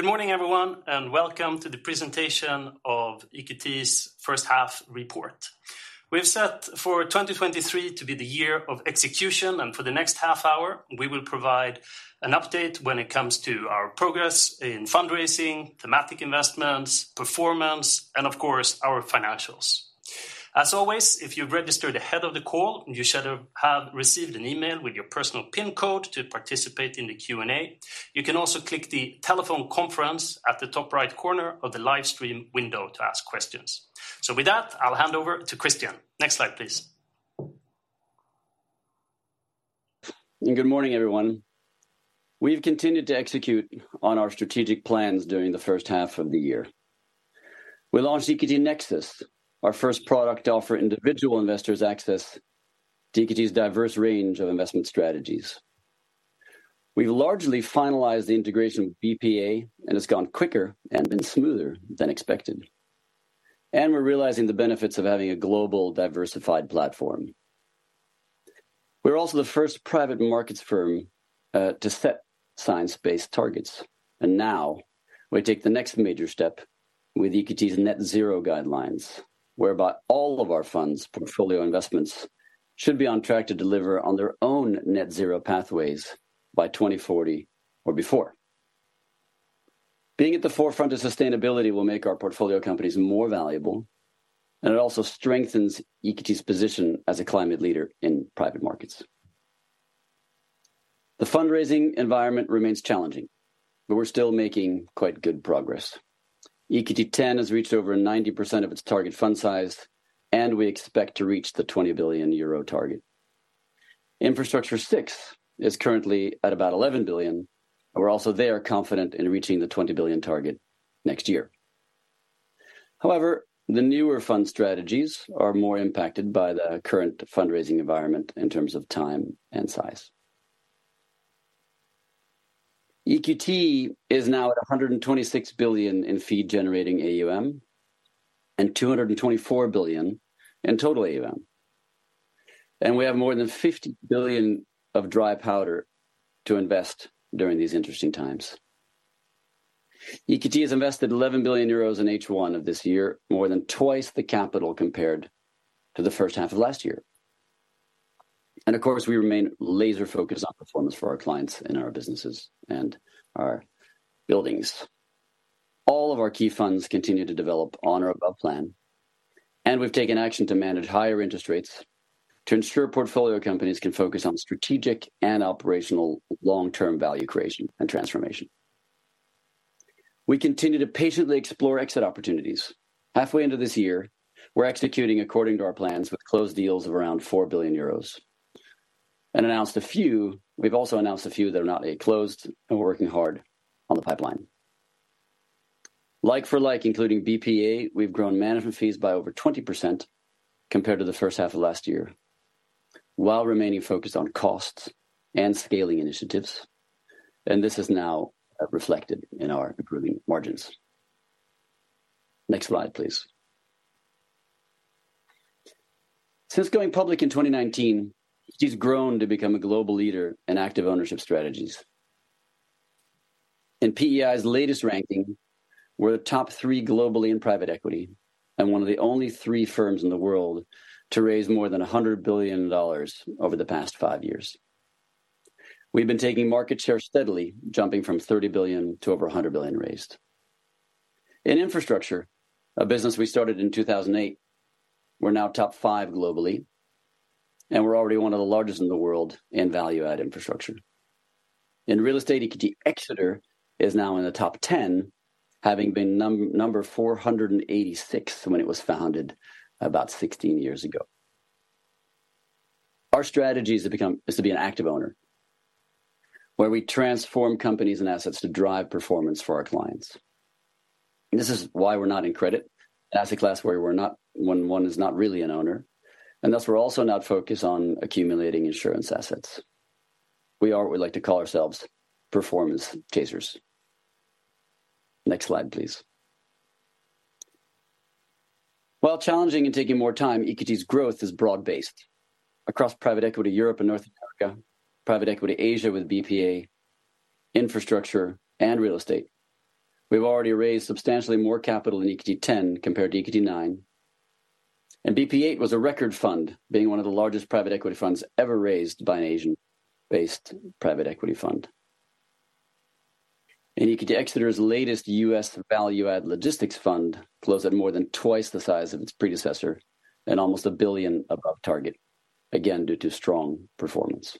Good morning, everyone. Welcome to the presentation of EQT's first half report. We've set for 2023 to be the year of execution, and for the next half hour, we will provide an update when it comes to our progress in fundraising, thematic investments, performance, and of course, our financials. As always, if you've registered ahead of the call, you should have received an email with your personal pin code to participate in the Q&A. You can also click the telephone conference at the top right corner of the live stream window to ask questions. With that, I'll hand over to Christian. Next slide, please. Good morning, everyone. We've continued to execute on our strategic plans during the first half of the year. We launched EQT Nexus, our first product to offer individual investors access to EQT's diverse range of investment strategies. We've largely finalized the integration of BPA, and it's gone quicker and been smoother than expected, and we're realizing the benefits of having a global diversified platform. We're also the first private markets firm to set science-based targets, and now we take the next major step with EQT's Net Zero Guidelines, whereby all of our funds' portfolio investments should be on track to deliver on their own net zero pathways by 2040 or before. Being at the forefront of sustainability will make our portfolio companies more valuable, and it also strengthens EQT's position as a climate leader in private markets. The fundraising environment remains challenging. We're still making quite good progress. EQT X has reached over 90% of its target fund size. We expect to reach the 20 billion euro target. EQT Infrastructure VI is currently at about 11 billion. We're also there confident in reaching the 20 billion target next year. However, the newer fund strategies are more impacted by the current fundraising environment in terms of time and size. EQT is now at 126 billion in fee-generating AUM and 224 billion in total AUM. We have more than 50 billion of dry powder to invest during these interesting times. EQT has invested 11 billion euros in H1 of this year, more than twice the capital compared to the first half of last year. Of course, we remain laser-focused on performance for our clients and our businesses and our buildings. All of our key funds continue to develop on or above plan, and we've taken action to manage higher interest rates to ensure portfolio companies can focus on strategic and operational long-term value creation and transformation. We continue to patiently explore exit opportunities. Halfway into this year, we're executing according to our plans with closed deals of around 4 billion euros and we've also announced a few that are not yet closed, and we're working hard on the pipeline. Like for like, including BPEA, we've grown management fees by over 20% compared to the first half of last year, while remaining focused on costs and scaling initiatives, and this is now reflected in our improving margins. Next slide, please. Since going public in 2019, EQT's grown to become a global leader in active ownership strategies. In PEI's latest ranking, we're the top three globally in private equity and one of the only three firms in the world to raise more than $100 billion over the past five years. We've been taking market share steadily, jumping from $30 billion to over $100 billion raised. In infrastructure, a business we started in 2008, we're now top five globally, and we're already one of the largest in the world in value-add infrastructure. In real estate, EQT Exeter is now in the top 10, having been number 486 when it was founded about 16 years ago. Our strategy is to be an active owner, where we transform companies and assets to drive performance for our clients. This is why we're not in credit, an asset class where we're not when one is not really an owner, and thus, we're also not focused on accumulating insurance assets. We are, we like to call ourselves, performance chasers. Next slide, please. While challenging and taking more time, EQT's growth is broad-based across private equity Europe and North America, private equity Asia with BPEA, infrastructure, and real estate. We've already raised substantially more capital in EQT X compared to EQT IX, and BPEA VIII was a record fund, being one of the largest private equity funds ever raised by an Asian-based private equity fund. EQT Exeter's latest US value-add logistics fund closed at more than twice the size of its predecessor and almost $1 billion above target, again, due to strong performance.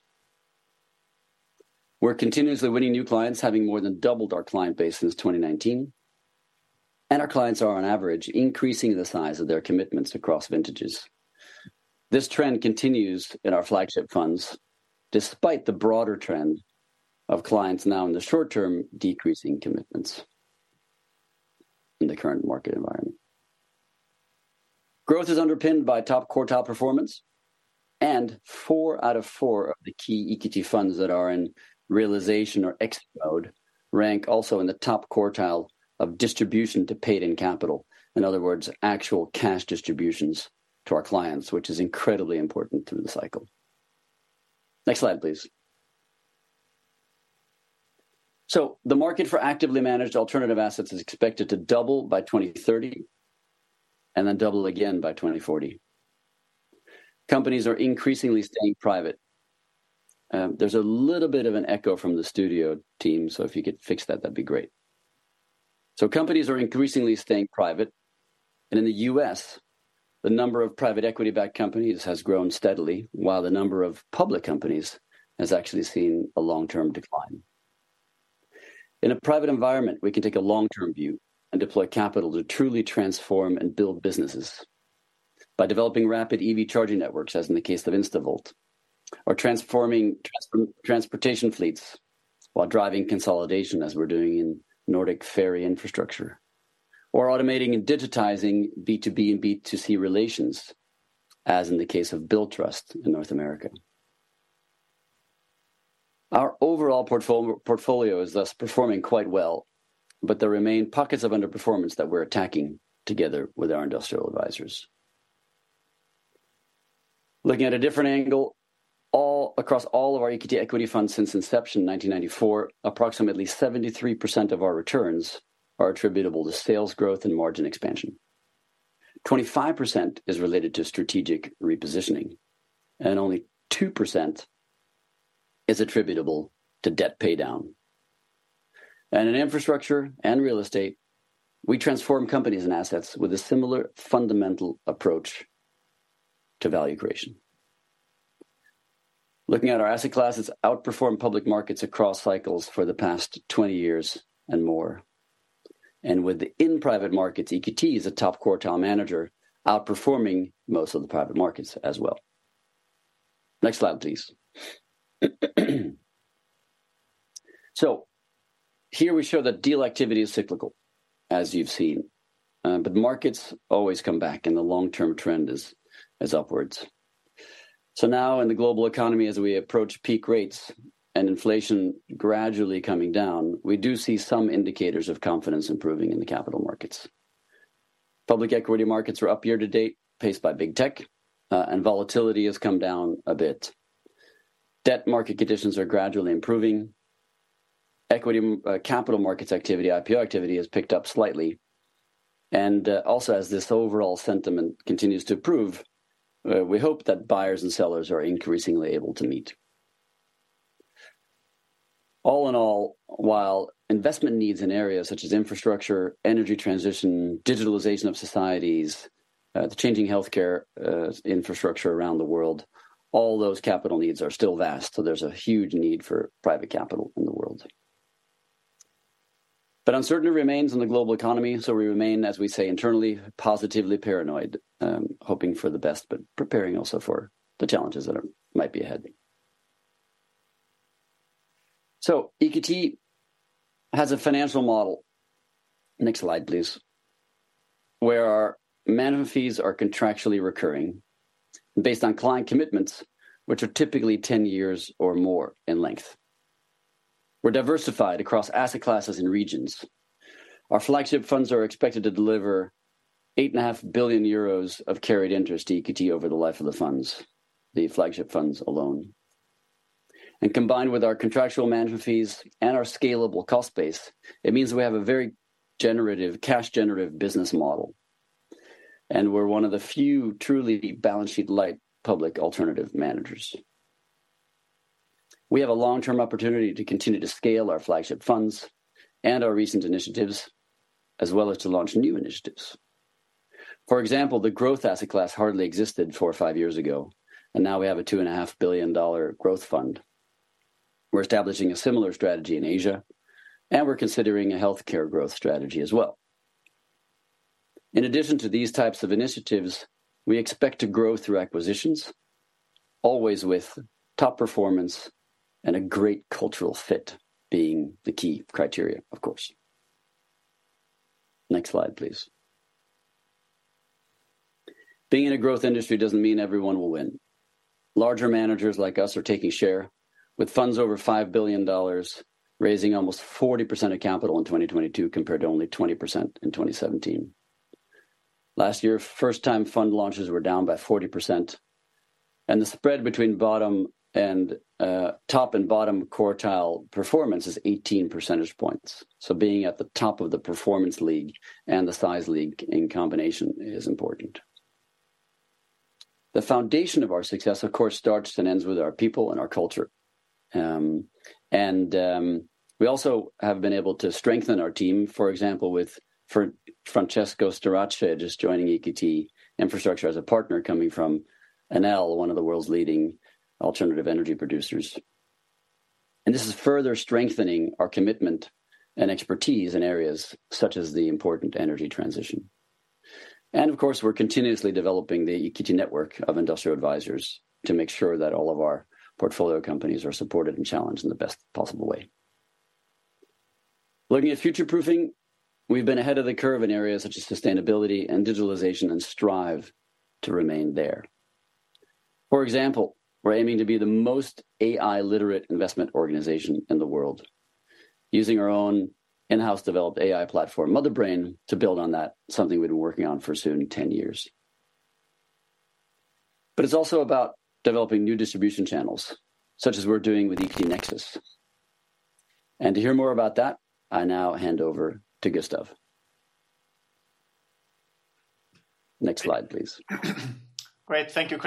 We're continuously winning new clients, having more than doubled our client base since 2019. Our clients are, on average, increasing the size of their commitments across vintages. This trend continues in our flagship funds, despite the broader trend of clients now in the short term, decreasing commitments in the current market environment. Growth is underpinned by top quartile performance, and four out of four of the key EQT funds that are in realization or exit mode rank also in the top quartile of distribution to paid-in capital. In other words, actual cash distributions to our clients, which is incredibly important through the cycle. Next slide, please. The market for actively managed alternative assets is expected to double by 2030, and then double again by 2040. Companies are increasingly staying private. There's a little bit of an echo from the studio team, if you could fix that'd be great. Companies are increasingly staying private, and in the U.S., the number of private equity-backed companies has grown steadily, while the number of public companies has actually seen a long-term decline. In a private environment, we can take a long-term view and deploy capital to truly transform and build businesses by developing rapid EV charging networks, as in the case of InstaVolt, or transforming transportation fleets while driving consolidation, as we're doing in Nordic ferry infrastructure, or automating and digitizing B2B and B2C relations, as in the case of Billtrust in North America. Our overall portfolio is thus performing quite well, there remain pockets of underperformance that we're attacking together with our industrial advisors. Looking at a different angle, across all of our EQT equity funds since inception in 1994, approximately 73% of our returns are attributable to sales growth and margin expansion. 25% is related to strategic repositioning, only 2% is attributable to debt paydown. In infrastructure and real estate, we transform companies and assets with a similar fundamental approach to value creation. Looking at our asset classes, outperformed public markets across cycles for the past 20 years and more, within private markets, EQT is a top quartile manager, outperforming most of the private markets as well. Next slide, please. Here we show that deal activity is cyclical, as you've seen, markets always come back, the long-term trend is upwards. Now in the global economy, as we approach peak rates and inflation gradually coming down, we do see some indicators of confidence improving in the capital markets. Public equity markets are up year-to-date, paced by big tech, and volatility has come down a bit. Debt market conditions are gradually improving. Equity capital markets activity, IPO activity, has picked up slightly. Also, as this overall sentiment continues to improve, we hope that buyers and sellers are increasingly able to meet. All in all, while investment needs in areas such as infrastructure, energy transition, digitalization of societies, the changing healthcare infrastructure around the world, all those capital needs are still vast, so there's a huge need for private capital in the world. Uncertainty remains in the global economy, we remain, as we say, internally, positively paranoid, hoping for the best, but preparing also for the challenges that might be ahead. EQT has a financial model. Next slide, please. Where our management fees are contractually recurring based on client commitments, which are typically 10 years or more in length. We're diversified across asset classes and regions. Our flagship funds are expected to deliver 8.5 billion euros of carried interest to EQT over the life of the funds, the flagship funds alone. Combined with our contractual management fees and our scalable cost base, it means we have a very generative, cash generative business model, and we're one of the few truly balance sheet light public alternative managers. We have a long-term opportunity to continue to scale our flagship funds and our recent initiatives, as well as to launch new initiatives. For example, the growth asset class hardly existed four or five years ago, and now we have a $2.5 billion growth fund. We're establishing a similar strategy in Asia, and we're considering a healthcare growth strategy as well. In addition to these types of initiatives, we expect to grow through acquisitions, always with top performance and a great cultural fit being the key criteria, of course. Next slide, please. Being in a growth industry doesn't mean everyone will win. Larger managers like us are taking share with funds over $5 billion, raising almost 40% of capital in 2022, compared to only 20% in 2017. Last year, first-time fund launches were down by 40%, the spread between bottom and top and bottom quartile performance is 18 percentage points. Being at the top of the performance league and the size league in combination is important. The foundation of our success, of course, starts and ends with our people and our culture. We also have been able to strengthen our team, for example, with Francesco Starace, just joining EQT Infrastructure as a partner coming from Enel, one of the world's leading alternative energy producers. This is further strengthening our commitment and expertise in areas such as the important energy transition. Of course, we're continuously developing the EQT network of industrial advisors to make sure that all of our portfolio companies are supported and challenged in the best possible way. Looking at future-proofing, we've been ahead of the curve in areas such as sustainability and digitalization and strive to remain there. For example, we're aiming to be the most AI literate investment organization in the world. Using our own in-house developed AI platform, Motherbrain, to build on that, something we've been working on for soon 10 years. It's also about developing new distribution channels, such as we're doing with EQT Nexus. To hear more about that, I now hand over to Gustav. Next slide, please. Great. Thank you,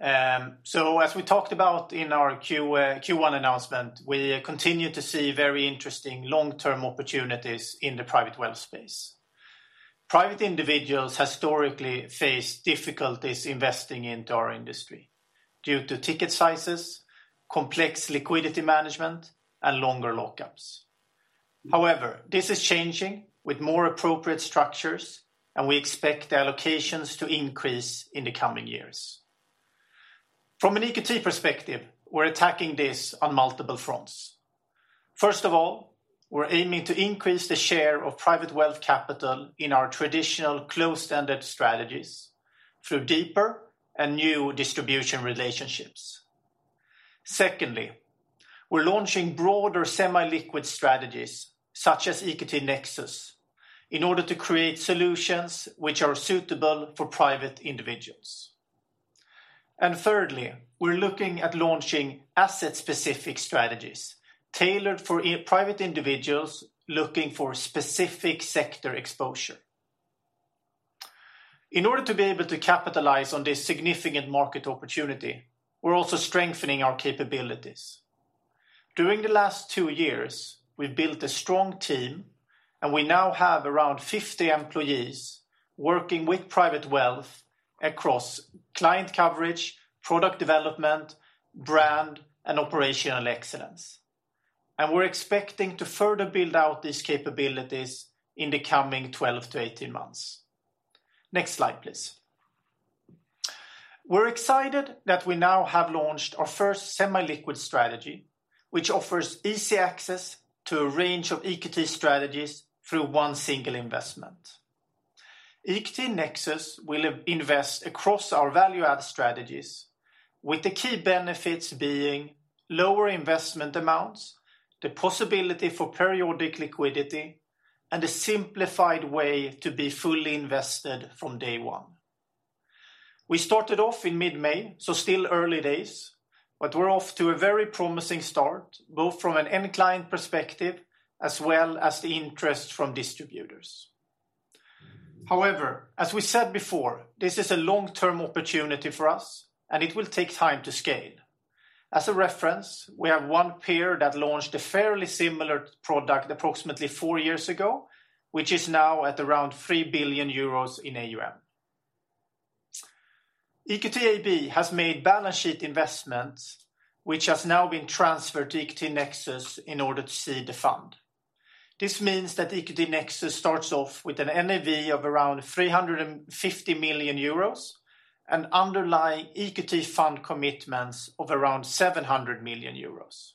Christian. As we talked about in our Q1 announcement, we continue to see very interesting long-term opportunities in the private wealth space. Private individuals historically face difficulties investing into our industry due to ticket sizes, complex liquidity management, and longer lockups. However, this is changing with more appropriate structures, and we expect the allocations to increase in the coming years. From an EQT perspective, we're attacking this on multiple fronts. First of all, we're aiming to increase the share of private wealth capital in our traditional closed-ended strategies through deeper and new distribution relationships. Secondly, we're launching broader semi-liquid strategies, such as EQT Nexus, in order to create solutions which are suitable for private individuals. Thirdly, we're looking at launching asset-specific strategies tailored for private individuals looking for specific sector exposure. In order to be able to capitalize on this significant market opportunity, we're also strengthening our capabilities. During the last two years, we've built a strong team. We now have around 50 employees working with private wealth across client coverage, product development, brand, and operational excellence. We're expecting to further build out these capabilities in the coming 12-18 months. Next slide, please. We're excited that we now have launched our first semi-liquid strategy, which offers easy access to a range of EQT strategies through one single investment. EQT Nexus will invest across our value-add strategies, with the key benefits being lower investment amounts, the possibility for periodic liquidity, and a simplified way to be fully invested from day one. We started off in mid-May, so still early days, but we're off to a very promising start, both from an end client perspective as well as the interest from distributors. However, as we said before, this is a long-term opportunity for us, and it will take time to scale. As a reference, we have one peer that launched a fairly similar product approximately four years ago, which is now at around 3 billion euros in AUM. EQT AB has made balance sheet investments, which has now been transferred to EQT Nexus in order to seed the fund. This means that EQT Nexus starts off with an NAV of around 350 million euros and underlying EQT fund commitments of around 700 million euros.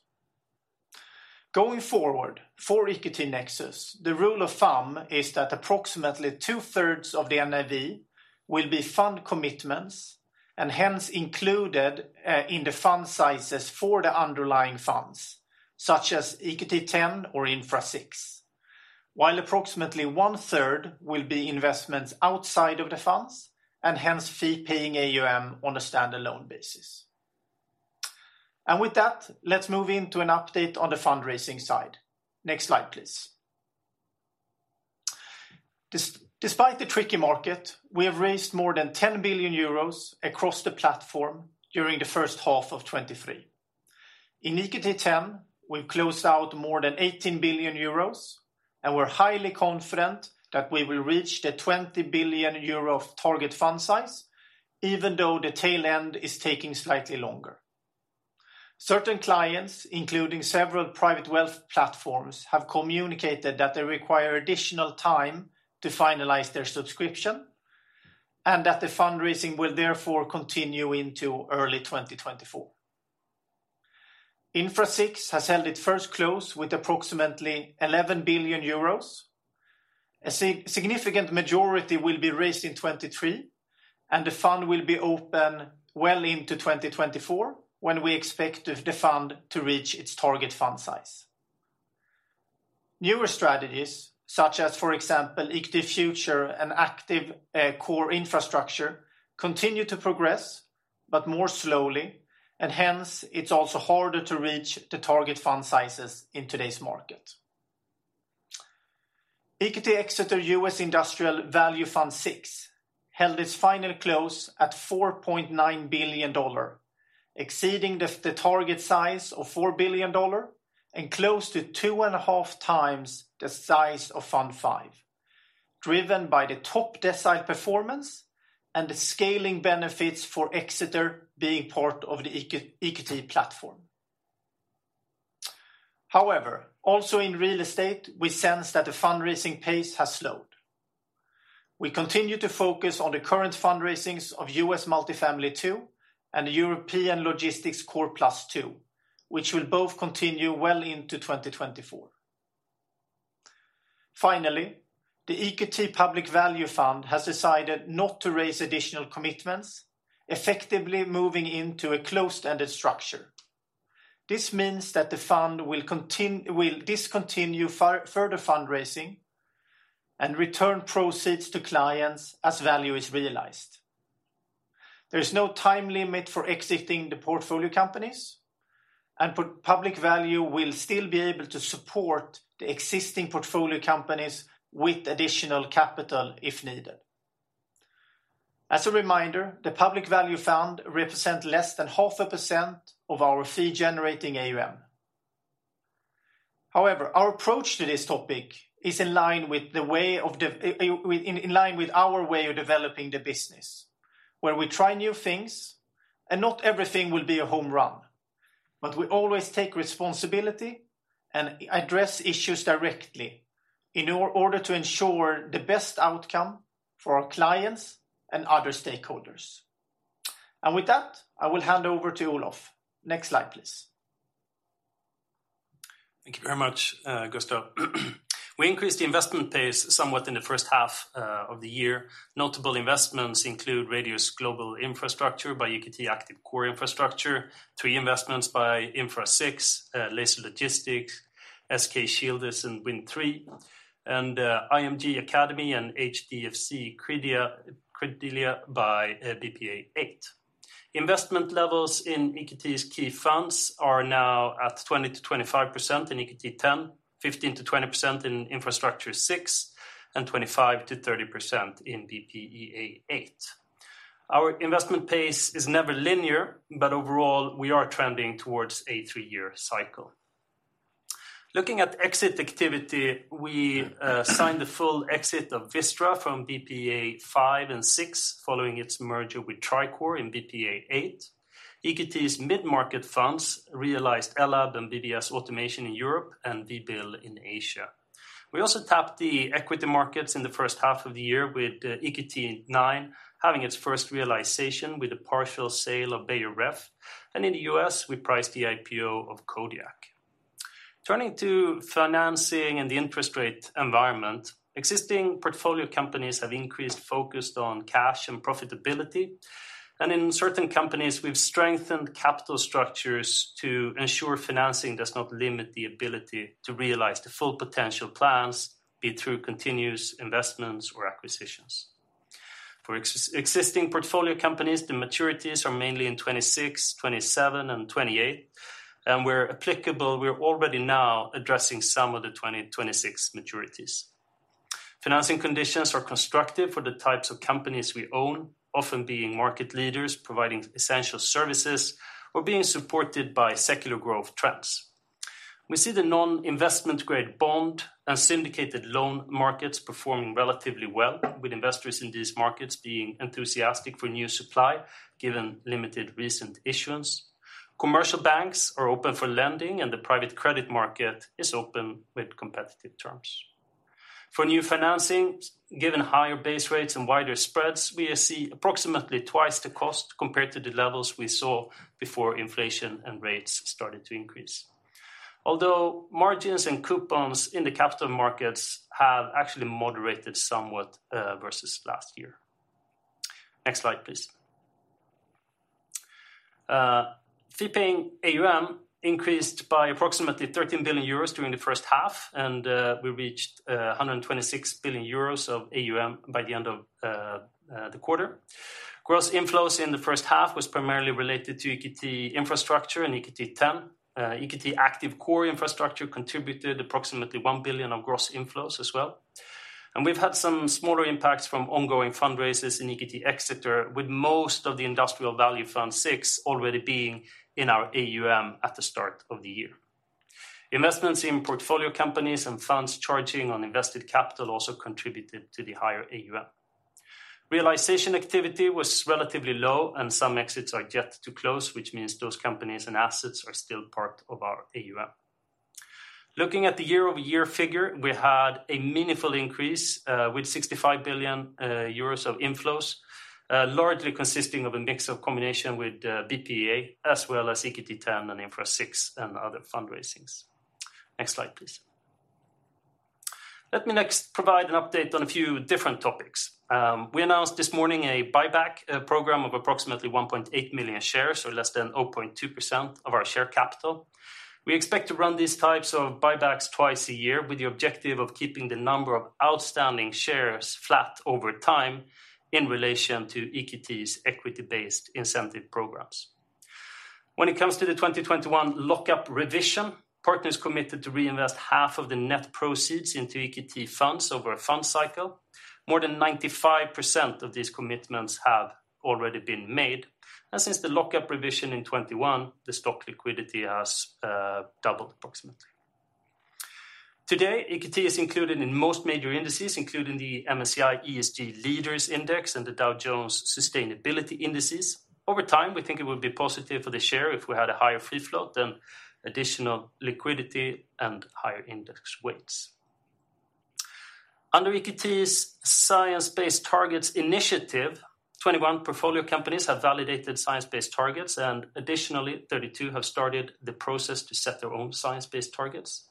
Going forward, for EQT Nexus, the rule of thumb is that approximately two-thirds of the NAV will be fund commitments and hence included in the fund sizes for the underlying funds, such as EQT X or Infra VI, while approximately one-third will be investments outside of the funds and hence fee-paying AUM on a standalone basis. With that, let's move into an update on the fundraising side. Next slide, please. Despite the tricky market, we have raised more than 10 billion euros across the platform during the first half of 2023. In EQT X, we've closed out more than 18 billion euros, and we're highly confident that we will reach the 20 billion euro of target fund size, even though the tail end is taking slightly longer. Certain clients, including several private wealth platforms, have communicated that they require additional time to finalize their subscription and that the fundraising will therefore continue into early 2024. Infra VI has held its first close with approximately 11 billion euros. A significant majority will be raised in 2023, and the fund will be open well into 2024, when we expect the fund to reach its target fund size. Newer strategies, such as, for example, EQT Future and Active Core Infrastructure, continue to progress, but more slowly, and hence, it's also harder to reach the target fund sizes in today's market. EQT Exeter US Industrial Value Fund VI held its final close at $4.9 billion, exceeding the target size of $4 billion and close to two and a half times the size of Fund five, driven by the top decile performance and the scaling benefits for Exeter being part of the EQT platform. Also in real estate, we sense that the fundraising pace has slowed. We continue to focus on the current fundraisings of EQT Exeter US Multifamily Value II and the EQT Exeter Europe Logistics Core-Plus II, which will both continue well into 2024. The EQT Public Value Fund has decided not to raise additional commitments, effectively moving into a closed-ended structure. This means that the fund will discontinue further fundraising and return proceeds to clients as value is realized. There is no time limit for exiting the portfolio companies, and Public Value will still be able to support the existing portfolio companies with additional capital if needed. As a reminder, the Public Value Fund represent less than half a percent of our fee-generating AUM. However, our approach to this topic is in line with our way of developing the business, where we try new things, and not everything will be a home run. We always take responsibility and address issues directly in order to ensure the best outcome for our clients and other stakeholders. With that, I will hand over to Olof. Next slide, please. Thank you very much, Gustav. We increased the investment pace somewhat in the first half of the year. Notable investments include Radius Global Infrastructure by EQT Active Core Infrastructure, three investments by Infra VI, Lazer Logistics, SK Shieldus, and Wind Tre, and IMG Academy, and HDFC Credila by BPEA VIII. Investment levels in EQT's key funds are now at 20%-25% in EQT Ten, 15%-20% in Infrastructure VI, and 25%-30% in BPEA VIII. Our investment pace is never linear, but overall, we are trending towards a 3-year cycle. Looking at exit activity, we signed the full exit of Vistra from BPEA V and VI, following its merger with Tricor in BPEA VIII. EQT's mid-market funds realized Ellab and BBS Automation in Europe and VBill in Asia. We also tapped the equity markets in the first half of the year, with EQT IX having its first realization with a partial sale of Beijer Ref. In the U.S., we priced the IPO of Kodiak. Turning to financing and the interest rate environment, existing portfolio companies have increased, focused on cash and profitability. In certain companies, we've strengthened capital structures to ensure financing does not limit the ability to realize the full potential plans, be it through continuous investments or acquisitions. For existing portfolio companies, the maturities are mainly in 2026, 2027, and 2028. Where applicable, we're already now addressing some of the 2026 maturities. Financing conditions are constructive for the types of companies we own, often being market leaders, providing essential services or being supported by secular growth trends. We see the non-investment grade bond and syndicated loan markets performing relatively well, with investors in these markets being enthusiastic for new supply, given limited recent issuance. Commercial banks are open for lending, and the private credit market is open with competitive terms. For new financings, given higher base rates and wider spreads, we see approximately twice the cost compared to the levels we saw before inflation and rates started to increase. Although margins and coupons in the capital markets have actually moderated somewhat versus last year. Next slide, please. Fee-paying AUM increased by approximately 13 billion euros during the first half, and we reached 126 billion euros of AUM by the end of the quarter. Gross inflows in the first half was primarily related to EQT Infrastructure and EQT X. EQT Active Core Infrastructure contributed approximately 1 billion of gross inflows as well. We've had some smaller impacts from ongoing fundraisers in EQT Exeter, with most of the Industrial Value from VI already being in our AUM at the start of the year. Investments in portfolio companies and funds charging on invested capital also contributed to the higher AUM. Realization activity was relatively low, and some exits are yet to close, which means those companies and assets are still part of our AUM. Looking at the year-over-year figure, we had a meaningful increase, with 65 billion euros of inflows, largely consisting of a mix of combination with BPEA, as well as EQT X and Infra VI and other fundraisings. Next slide, please. Let me next provide an update on a few different topics. We announced this morning a buyback program of approximately 1.8 million shares, or less than 0.2% of our share capital. We expect to run these types of buybacks twice a year, with the objective of keeping the number of outstanding shares flat over time in relation to EQT's equity-based incentive programs. When it comes to the 2021 lock-up revision, partners committed to reinvest half of the net proceeds into EQT funds over a fund cycle. More than 95% of these commitments have already been made, and since the lock-up revision in 21, the stock liquidity has doubled approximately. Today, EQT is included in most major indices, including the MSCI ESG Leaders Index and the Dow Jones Sustainability Indexes. Over time, we think it would be positive for the share if we had a higher free float and additional liquidity and higher index weights. Under EQT's Science Based Targets initiative, 21 portfolio companies have validated science-based targets, and additionally, 32 have started the process to set their own science-based targets.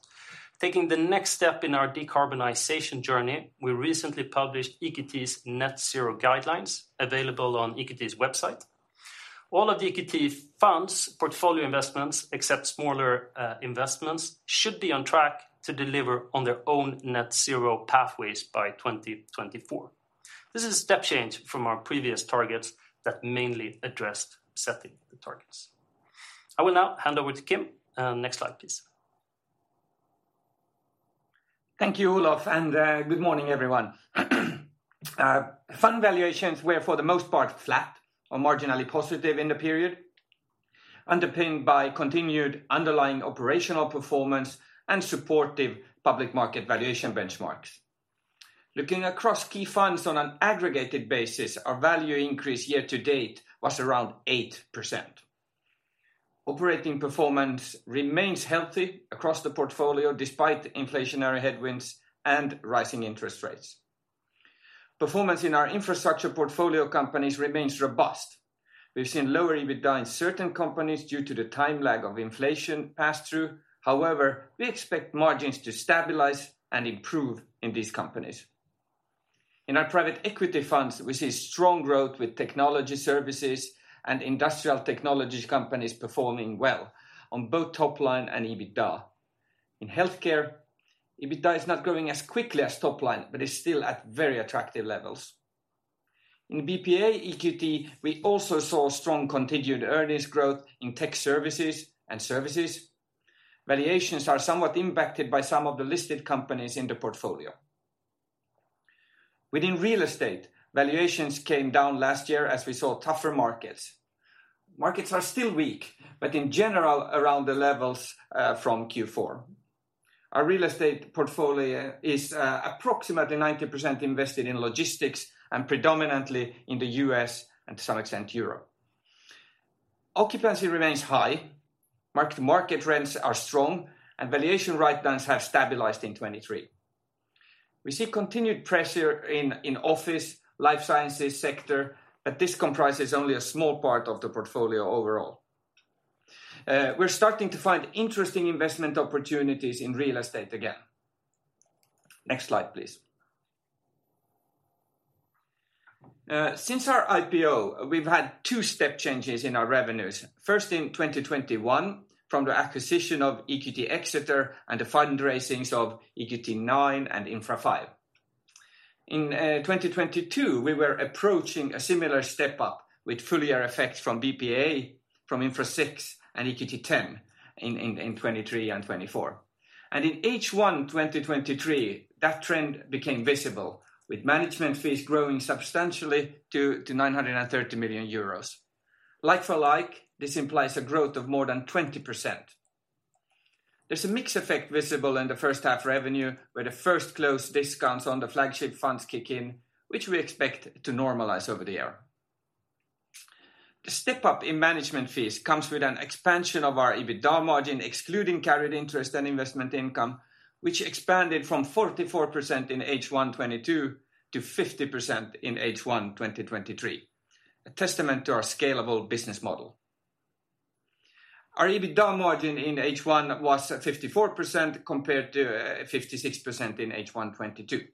Taking the next step in our decarbonization journey, we recently published EQT's Net Zero Guidelines, available on EQT's website. All of the EQT funds portfolio investments, except smaller investments, should be on track to deliver on their own net zero pathways by 2024. This is a step change from our previous targets that mainly addressed setting the targets. I will now hand over to Kim. Next slide, please. Thank you, Olof, and good morning, everyone. Fund valuations were, for the most part, flat or marginally positive in the period, underpinned by continued underlying operational performance and supportive public market valuation benchmarks. Looking across key funds on an aggregated basis, our value increase year to date was around 8%. Operating performance remains healthy across the portfolio, despite inflationary headwinds and rising interest rates. Performance in our infrastructure portfolio companies remains robust. We've seen lower EBITDA in certain companies due to the time lag of inflation pass-through. However, we expect margins to stabilize and improve in these companies. In our private equity funds, we see strong growth with technology services and industrial technology companies performing well on both top line and EBITDA. In healthcare, EBITDA is not growing as quickly as top line, but is still at very attractive levels. In BPEA EQT, we also saw strong continued earnings growth in tech services and services. Valuations are somewhat impacted by some of the listed companies in the portfolio. Within real estate, valuations came down last year as we saw tougher markets. Markets are still weak, but in general, around the levels from Q4. Our real estate portfolio is approximately 90% invested in logistics and predominantly in the U.S., and to some extent, Europe. Occupancy remains high, market rents are strong, and valuation write-downs have stabilized in 2023. We see continued pressure in office, life sciences sector, but this comprises only a small part of the portfolio overall. We're starting to find interesting investment opportunities in real estate again. Next slide, please. Since our IPO, we've had two step changes in our revenues. First in 2021, from the acquisition of EQT Exeter and the fundraisings of EQT IX and Infra V. In 2022, we were approaching a similar step-up with fuller effects from BPEA, from Infra VI and EQT X in 2023 and 2024. In H1 2023, that trend became visible, with management fees growing substantially to 930 million euros. Like for like, this implies a growth of more than 20%. There's a mix effect visible in the first half revenue, where the first close discounts on the flagship funds kick in, which we expect to normalize over the year. The step-up in management fees comes with an expansion of our EBITDA margin, excluding carried interest and investment income, which expanded from 44% in H1 2022 to 50% in H1 2023. A testament to our scalable business model. Our EBITDA margin in H1 was at 54%, compared to 56% in H1 2022.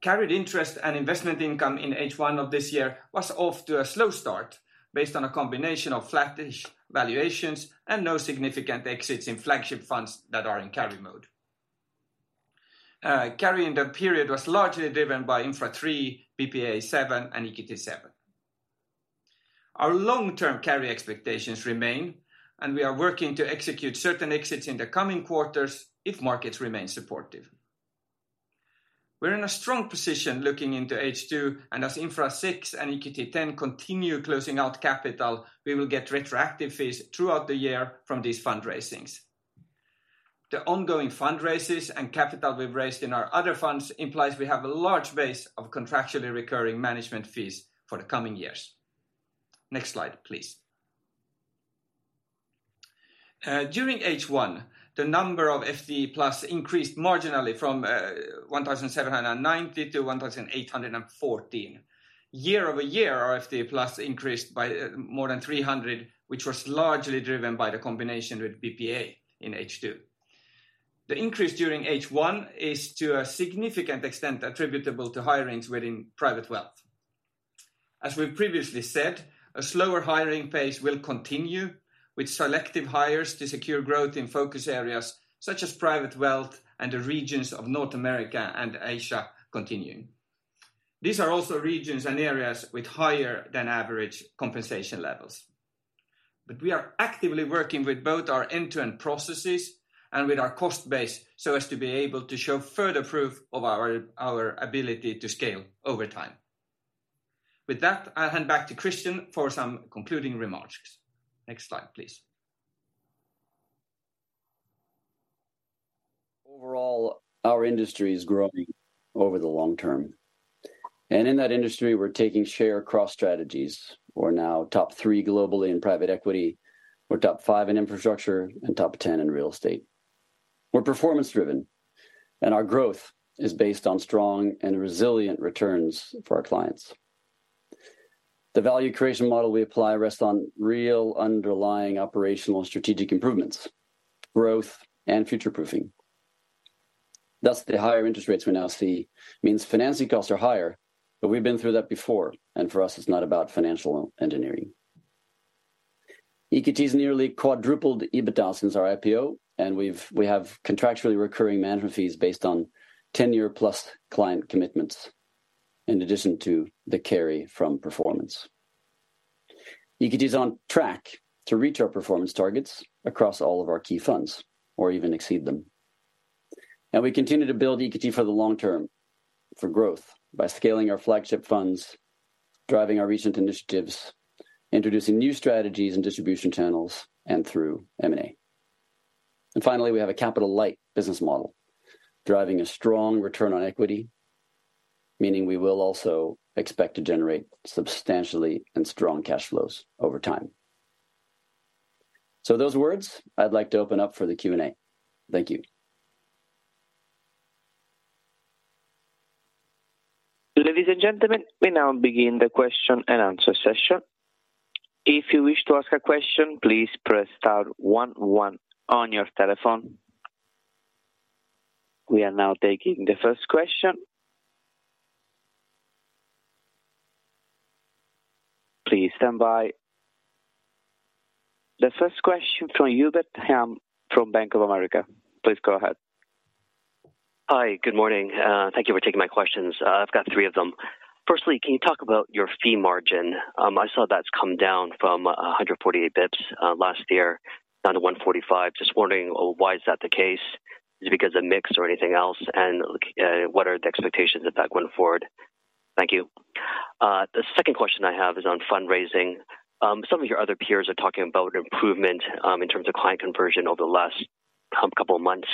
Carried interest and investment income in H1 of this year was off to a slow start, based on a combination of flattish valuations and no significant exits in flagship funds that are in carry mode. Carry in the period was largely driven by Infra III, BPEA VII, and EQT VII. Our long-term carry expectations remain, and we are working to execute certain exits in the coming quarters if markets remain supportive. We're in a strong position looking into H2, and as Infra VI and EQT X continue closing out capital, we will get retroactive fees throughout the year from these fundraisings. The ongoing fundraises and capital we've raised in our other funds implies we have a large base of contractually recurring management fees for the coming years. Next slide, please. During H1, the number of FTE+ increased marginally from 1,790 to 1,814. Year-over-year, our FTE+ increased by more than 300, which was largely driven by the combination with BPEA in H2. The increase during H1 is to a significant extent attributable to hirings within private wealth. As we previously said, a slower hiring pace will continue, with selective hires to secure growth in focus areas, such as private wealth and the regions of North America and Asia continuing. These are also regions and areas with higher than average compensation levels. We are actively working with both our end-to-end processes and with our cost base, so as to be able to show further proof of our ability to scale over time. With that, I'll hand back to Christian for some concluding remarks. Next slide, please. Overall, our industry is growing over the long term. In that industry, we're taking share across strategies. We're now top three globally in private equity. We're top five in infrastructure and top 10 in real estate. We're performance driven, and our growth is based on strong and resilient returns for our clients. The value creation model we apply rests on real underlying operational and strategic improvements, growth and future-proofing. Thus, the higher interest rates we now see means financing costs are higher, but we've been through that before, and for us, it's not about financial engineering. EQT has nearly quadrupled EBITDA since our IPO, and we have contractually recurring management fees based on 10-year-plus client commitments, in addition to the carry from performance. EQT is on track to reach our performance targets across all of our key funds or even exceed them. We continue to build EQT for the long term, for growth, by scaling our flagship funds, driving our recent initiatives, introducing new strategies and distribution channels, and through M&A. Finally, we have a capital light business model, driving a strong return on equity, meaning we will also expect to generate substantially and strong cash flows over time. Those words, I'd like to open up for the Q&A. Thank you. Ladies and gentlemen, we now begin the question and answer session. If you wish to ask a question, please press star 1 on your telephone. We are now taking the first question. Please stand by. The first question from Hubert Lam from Bank of America. Please go ahead. Hi, good morning. Thank you for taking my questions. I've got three of them. Firstly, can you talk about your fee margin? I saw that's come down from 148 basis points last year, down to 145. Just wondering, why is that the case? Is it because of mix or anything else? What are the expectations of that going forward? Thank you. The second question I have is on fundraising. Some of your other peers are talking about improvement in terms of client conversion over the last couple of months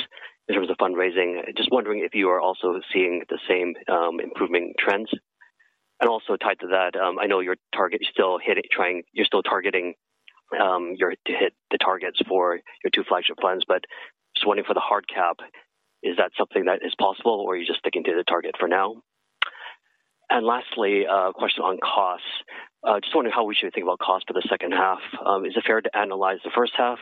in terms of fundraising. Just wondering if you are also seeing the same improving trends. Also tied to that, I know your target is still targeting your... To hit the targets for your two flagship funds, but just wondering for the hard cap, is that something that is possible, or are you just sticking to the target for now? Lastly, a question on costs. Just wondering how we should think about cost for the second half. Is it fair to analyze the first half,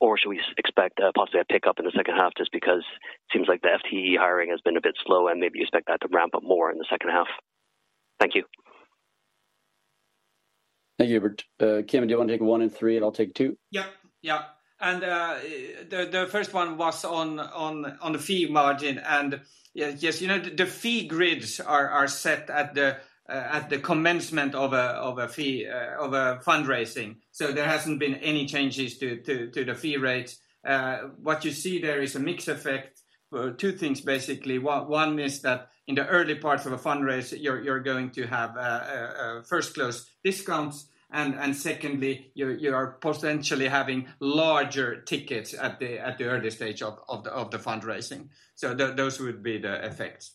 or should we expect possibly a pickup in the second half just because it seems like the FTE hiring has been a bit slow and maybe you expect that to ramp up more in the second half? Thank you. Thank you, Hubert. Kim, do you want to take one and three, and I'll take two? Yeah. The first one was on the fee margin, yes, you know, the fee grids are set at the commencement of a fee of a fundraising. There hasn't been any changes to the fee rates. What you see there is a mix effect. Two things, basically. One is that in the early parts of a fundraise, you're going to have a first close discounts. Secondly, you are potentially having larger tickets at the early stage of the fundraising. Those would be the effects.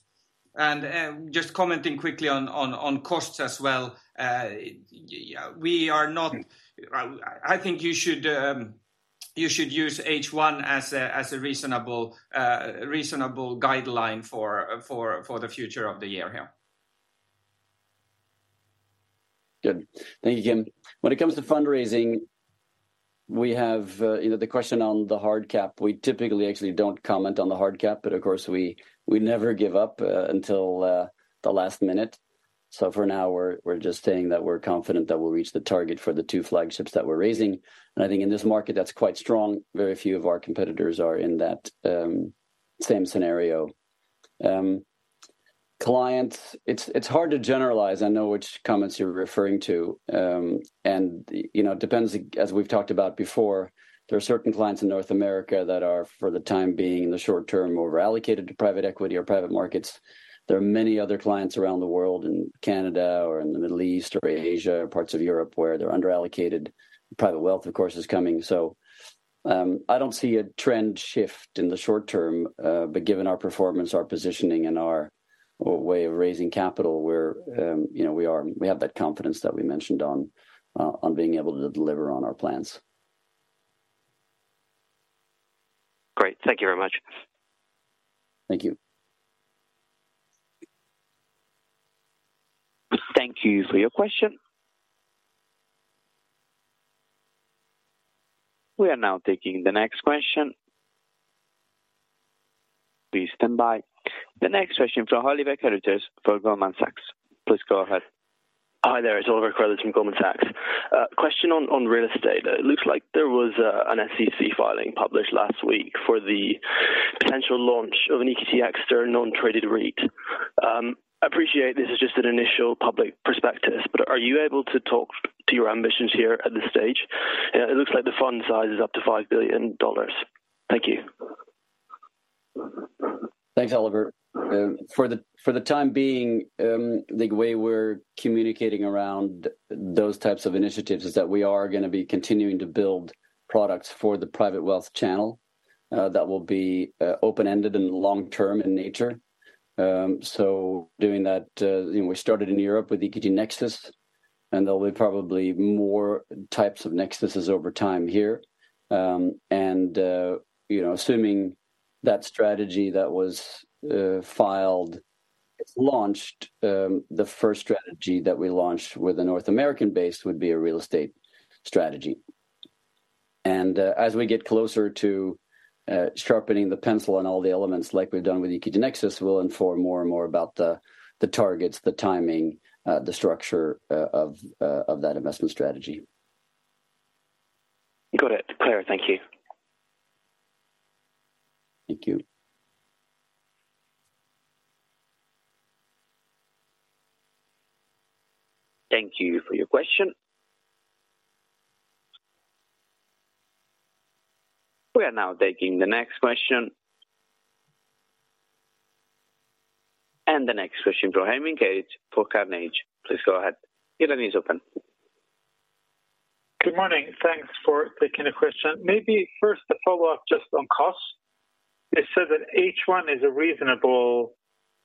Just commenting quickly on costs as well. I think you should use H1 as a reasonable guideline for the future of the year here. Good. Thank you again. When it comes to fundraising, we have, you know, the question on the hard cap. We typically actually don't comment on the hard cap, but of course, we never give up until the last minute. For now, we're just saying that we're confident that we'll reach the target for the two flagships that we're raising. I think in this market, that's quite strong. Very few of our competitors are in that same scenario. Clients, it's hard to generalize, I know which comments you're referring to. You know, it depends, as we've talked about before, there are certain clients in North America that are, for the time being, in the short term, over-allocated to private equity or private markets. There are many other clients around the world, in Canada or in the Middle East or Asia or parts of Europe, where they're underallocated. Private wealth, of course, is coming. I don't see a trend shift in the short term, given our performance, our positioning, and our way of raising capital, we're, you know, we have that confidence that we mentioned on being able to deliver on our plans. Great. Thank you very much. Thank you. Thank you for your question. We are now taking the next question. Please stand by. The next question from Oliver Carruthers for Goldman Sachs. Please go ahead. Hi there, it's Oliver Carruthers from Goldman Sachs. Question on real estate. It looks like there was an SEC filing published last week for the potential launch of an EQT external non-traded REIT. I appreciate this is just an initial public prospectus, are you able to talk to your ambitions here at this stage? It looks like the fund size is up to $5 billion. Thank you. Thanks, Oliver. For the, for the time being, the way we're communicating around those types of initiatives is that we are gonna be continuing to build products for the private wealth channel, that will be open-ended and long-term in nature. Doing that, you know, we started in Europe with EQT Nexus, and there'll be probably more types of Nexuses over time here. You know, assuming that strategy that was filed, launched, the first strategy that we launched with a North American base would be a real estate strategy. As we get closer to sharpening the pencil on all the elements like we've done with EQT Nexus, we'll inform more and more about the targets, the timing, the structure of that investment strategy. Got it. Clear, thank you. Thank you. Thank you for your question. We are now taking the next question. The next question from Hemingage for Carnegie. Please go ahead. Your line is open. Good morning. Thanks for taking the question. First a follow-up just on cost. You said that H1 is a reasonable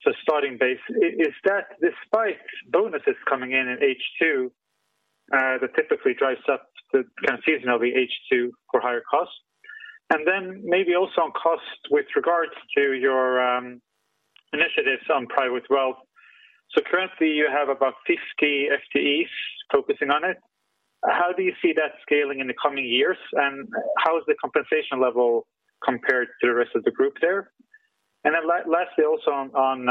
just starting base. Is that despite bonuses coming in H2, that typically drives up the kind of season of the H2 for higher costs? Maybe also on cost with regards to your initiatives on private wealth. Currently you have about 50 FTEs focusing on it. How do you see that scaling in the coming years, and how is the compensation level compared to the rest of the group there? Lastly, also on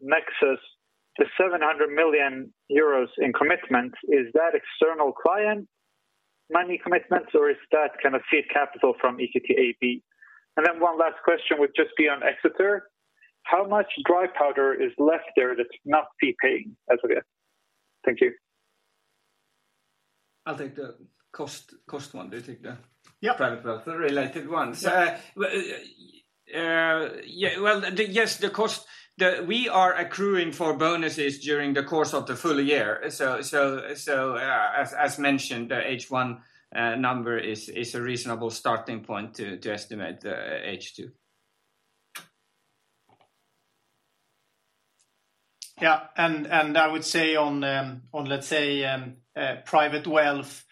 Nexus, the 700 million euros in commitment, is that external client money commitments, or is that kind of seed capital from EQT AB? One last question would just be on Exeter. How much dry powder is left there that's not fee paying as of yet? Thank you. I'll take the cost one. Yeah private wealth, the related ones? Yeah. Well, yeah, well, the yes, the we are accruing for bonuses during the course of the full year. As mentioned, the H1 number is a reasonable starting point to estimate the H2. I would say on, let's say, private wealth,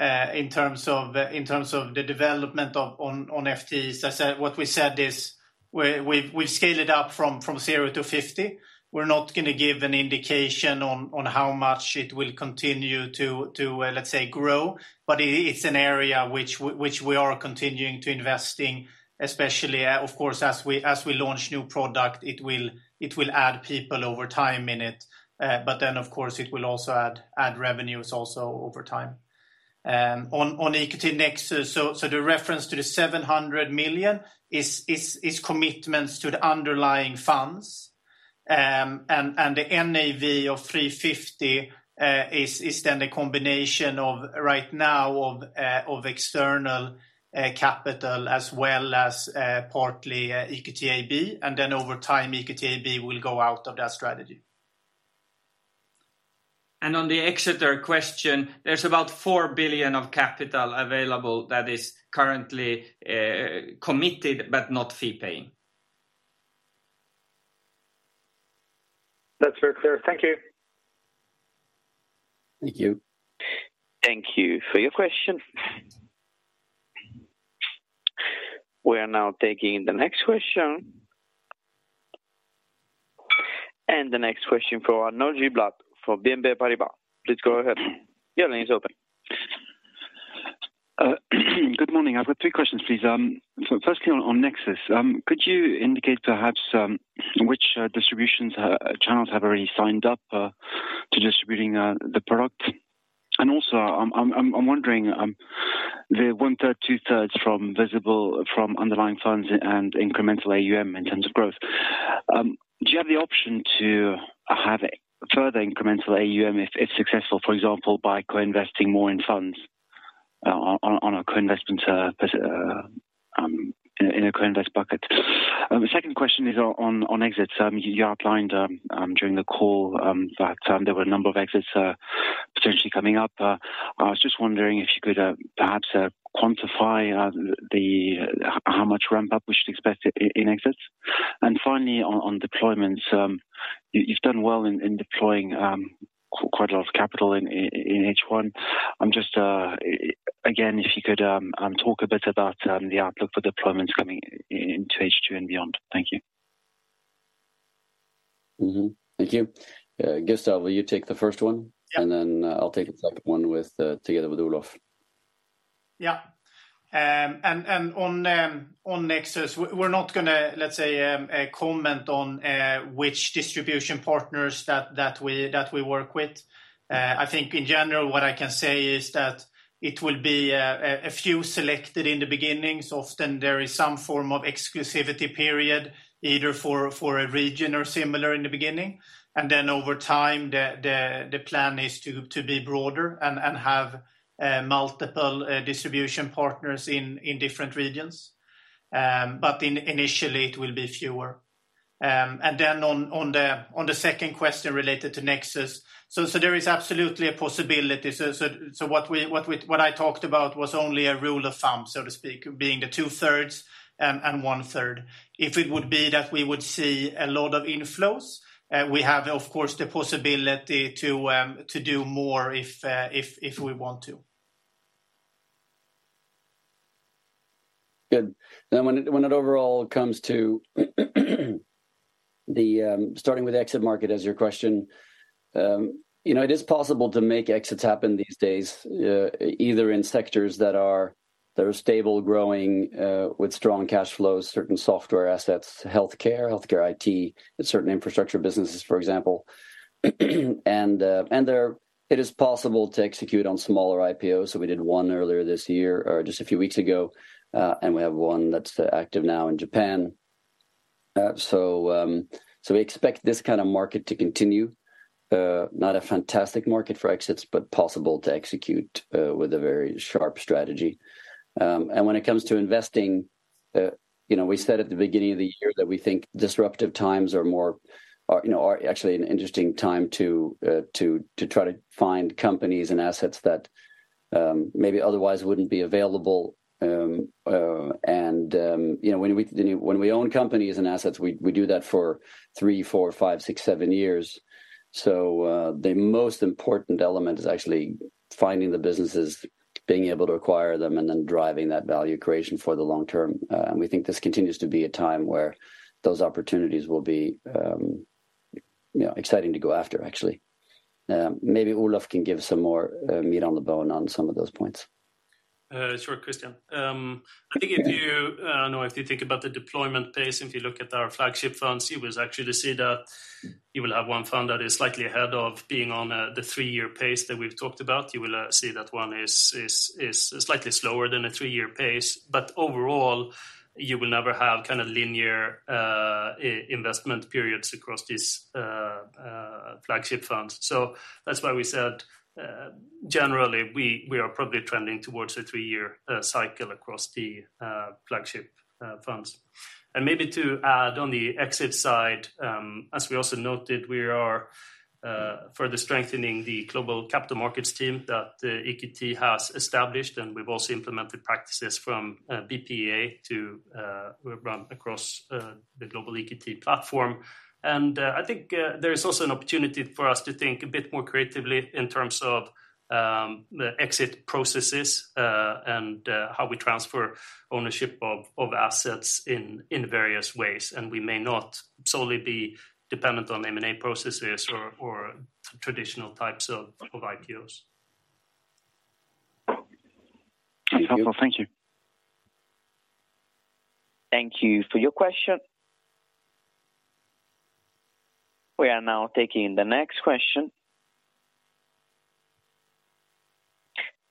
in terms of the development of on FTEs. What we said is, we've scaled it up from 0 to 50. We're not gonna give an indication on how much it will continue to, let's say, grow, but it's an area which we are continuing to invest in, especially, of course, as we launch new product, it will add people over time in it. Of course, it will also add revenues over time. On EQT Nexus, so the reference to the 700 million is commitments to the underlying funds. The NAV of $350 is then a combination of right now of external capital as well as partly EQT AB, and then over time, EQT AB will go out of that strategy. On the Exeter question, there's about $4 billion of capital available that is currently committed, but not fee paying. That's very clear. Thank you. Thank you. Thank you for your question. We are now taking the next question. The next question from Arnaud Giblat for BNP Paribas. Please go ahead. Your line is open. Good morning. I've got three questions, please. Firstly on Nexus, could you indicate perhaps which distributions channels have already signed up to distributing the product? Also, I'm wondering the one third, two thirds from visible from underlying funds and incremental AUM in terms of growth. Do you have the option to have further incremental AUM if it's successful, for example, by co-investing more in funds on a co-investment in a co-investment bucket? The second question is on exits. You outlined during the call that there were a number of exits potentially coming up. I was just wondering if you could perhaps quantify the... How much ramp up we should expect in exits? Finally, on deployments, you've done well in deploying quite a lot of capital in H1. Just again, if you could talk a bit about the outlook for deployments coming into H2 and beyond. Thank you. Mm-hmm. Thank you. Gustav, will you take the first one? Yeah. I'll take the second one with, together with Olof. Yeah. On Nexus, we're not gonna, let's say, comment on which distribution partners that we work with. I think in general, what I can say is that it will be a few selected in the beginnings. Often there is some form of exclusivity period, either for a region or similar in the beginning, and then over time, the plan is to be broader and have multiple distribution partners in different regions. Initially, it will be fewer. Then on the second question related to Nexus. There is absolutely a possibility. What I talked about was only a rule of thumb, so to speak, being the two-thirds and one-third. If it would be that we would see a lot of inflows, we have, of course, the possibility to do more if we want to. Good. When it overall comes to the, starting with exit market as your question, you know, it is possible to make exits happen these days, either in sectors that are stable, growing, with strong cash flows, certain software assets, healthcare IT, and certain infrastructure businesses, for example. There it is possible to execute on smaller IPOs. We did one earlier this year, or just a few weeks ago, and we have one that's active now in Japan. We expect this kind of market to continue. Not a fantastic market for exits, but possible to execute with a very sharp strategy. When it comes to investing, you know, we said at the beginning of the year that we think disruptive times are actually an interesting time to try to find companies and assets that maybe otherwise wouldn't be available. You know, when we own companies and assets, we do that for three, four, five, six, seven years. The most important element is actually finding the businesses, being able to acquire them, and then driving that value creation for the long term. We think this continues to be a time where those opportunities will be, you know, exciting to go after, actually. Maybe Olof can give some more meat on the bone on some of those points. Sure, Christian. I think if you know, if you think about the deployment pace, if you look at our flagship funds, you will actually see that you will have one fund that is slightly ahead of being on the three-year pace that we've talked about. You will see that one is slightly slower than a three-year pace, overall, you will never have kind of linear investment periods across these flagship funds. That's why we said, generally, we are probably trending towards a three-year cycle across the flagship funds. Maybe to add on the exit side, as we also noted, we are further strengthening the global capital markets team that EQT has established, and we've also implemented practices from BPEA to run across the global EQT platform. I think there is also an opportunity for us to think a bit more creatively in terms of the exit processes, and how we transfer ownership of assets in various ways. We may not solely be dependent on M&A processes or traditional types of IPOs. Thank you. That's helpful. Thank you. Thank you for your question. We are now taking the next question.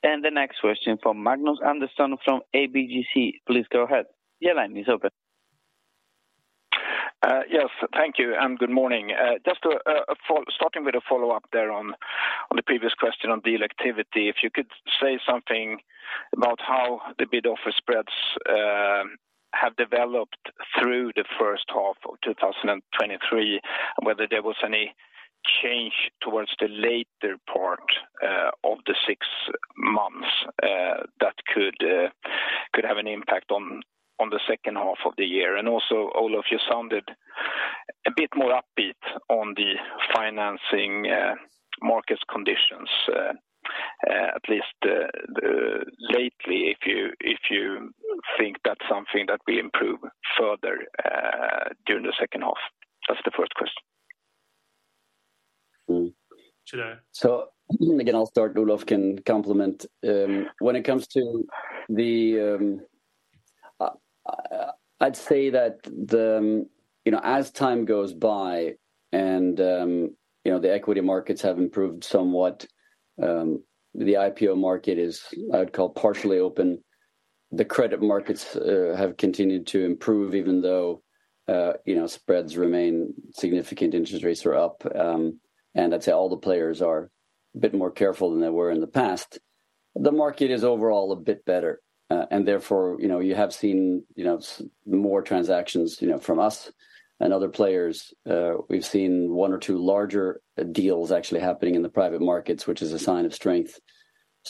The next question from Magnus Andersson from ABGSC, please go ahead. Your line is open. Yes, thank you, good morning. Starting with a follow-up there on the previous question on deal activity, if you could say something about how the bid offer spreads have developed through the first half of 2023, whether there was any change towards the later part of the six months that could have an impact on the second half of the year. Olof, you sounded a bit more upbeat on the financing markets conditions at least lately, if you think that's something that will improve further during the second half. That's the first question. Mm-hmm. Again, I'll start, Olof can complement. When it comes to the, I'd say that the, you know, as time goes by and, you know, the equity markets have improved somewhat, the IPO market is, I'd call, partially open. The credit markets have continued to improve, even though, you know, spreads remain significant, interest rates are up, and I'd say all the players are a bit more careful than they were in the past. The market is overall a bit better, and therefore, you know, you have seen, you know, more transactions, you know, from us and other players. We've seen one or two larger deals actually happening in the private markets, which is a sign of strength.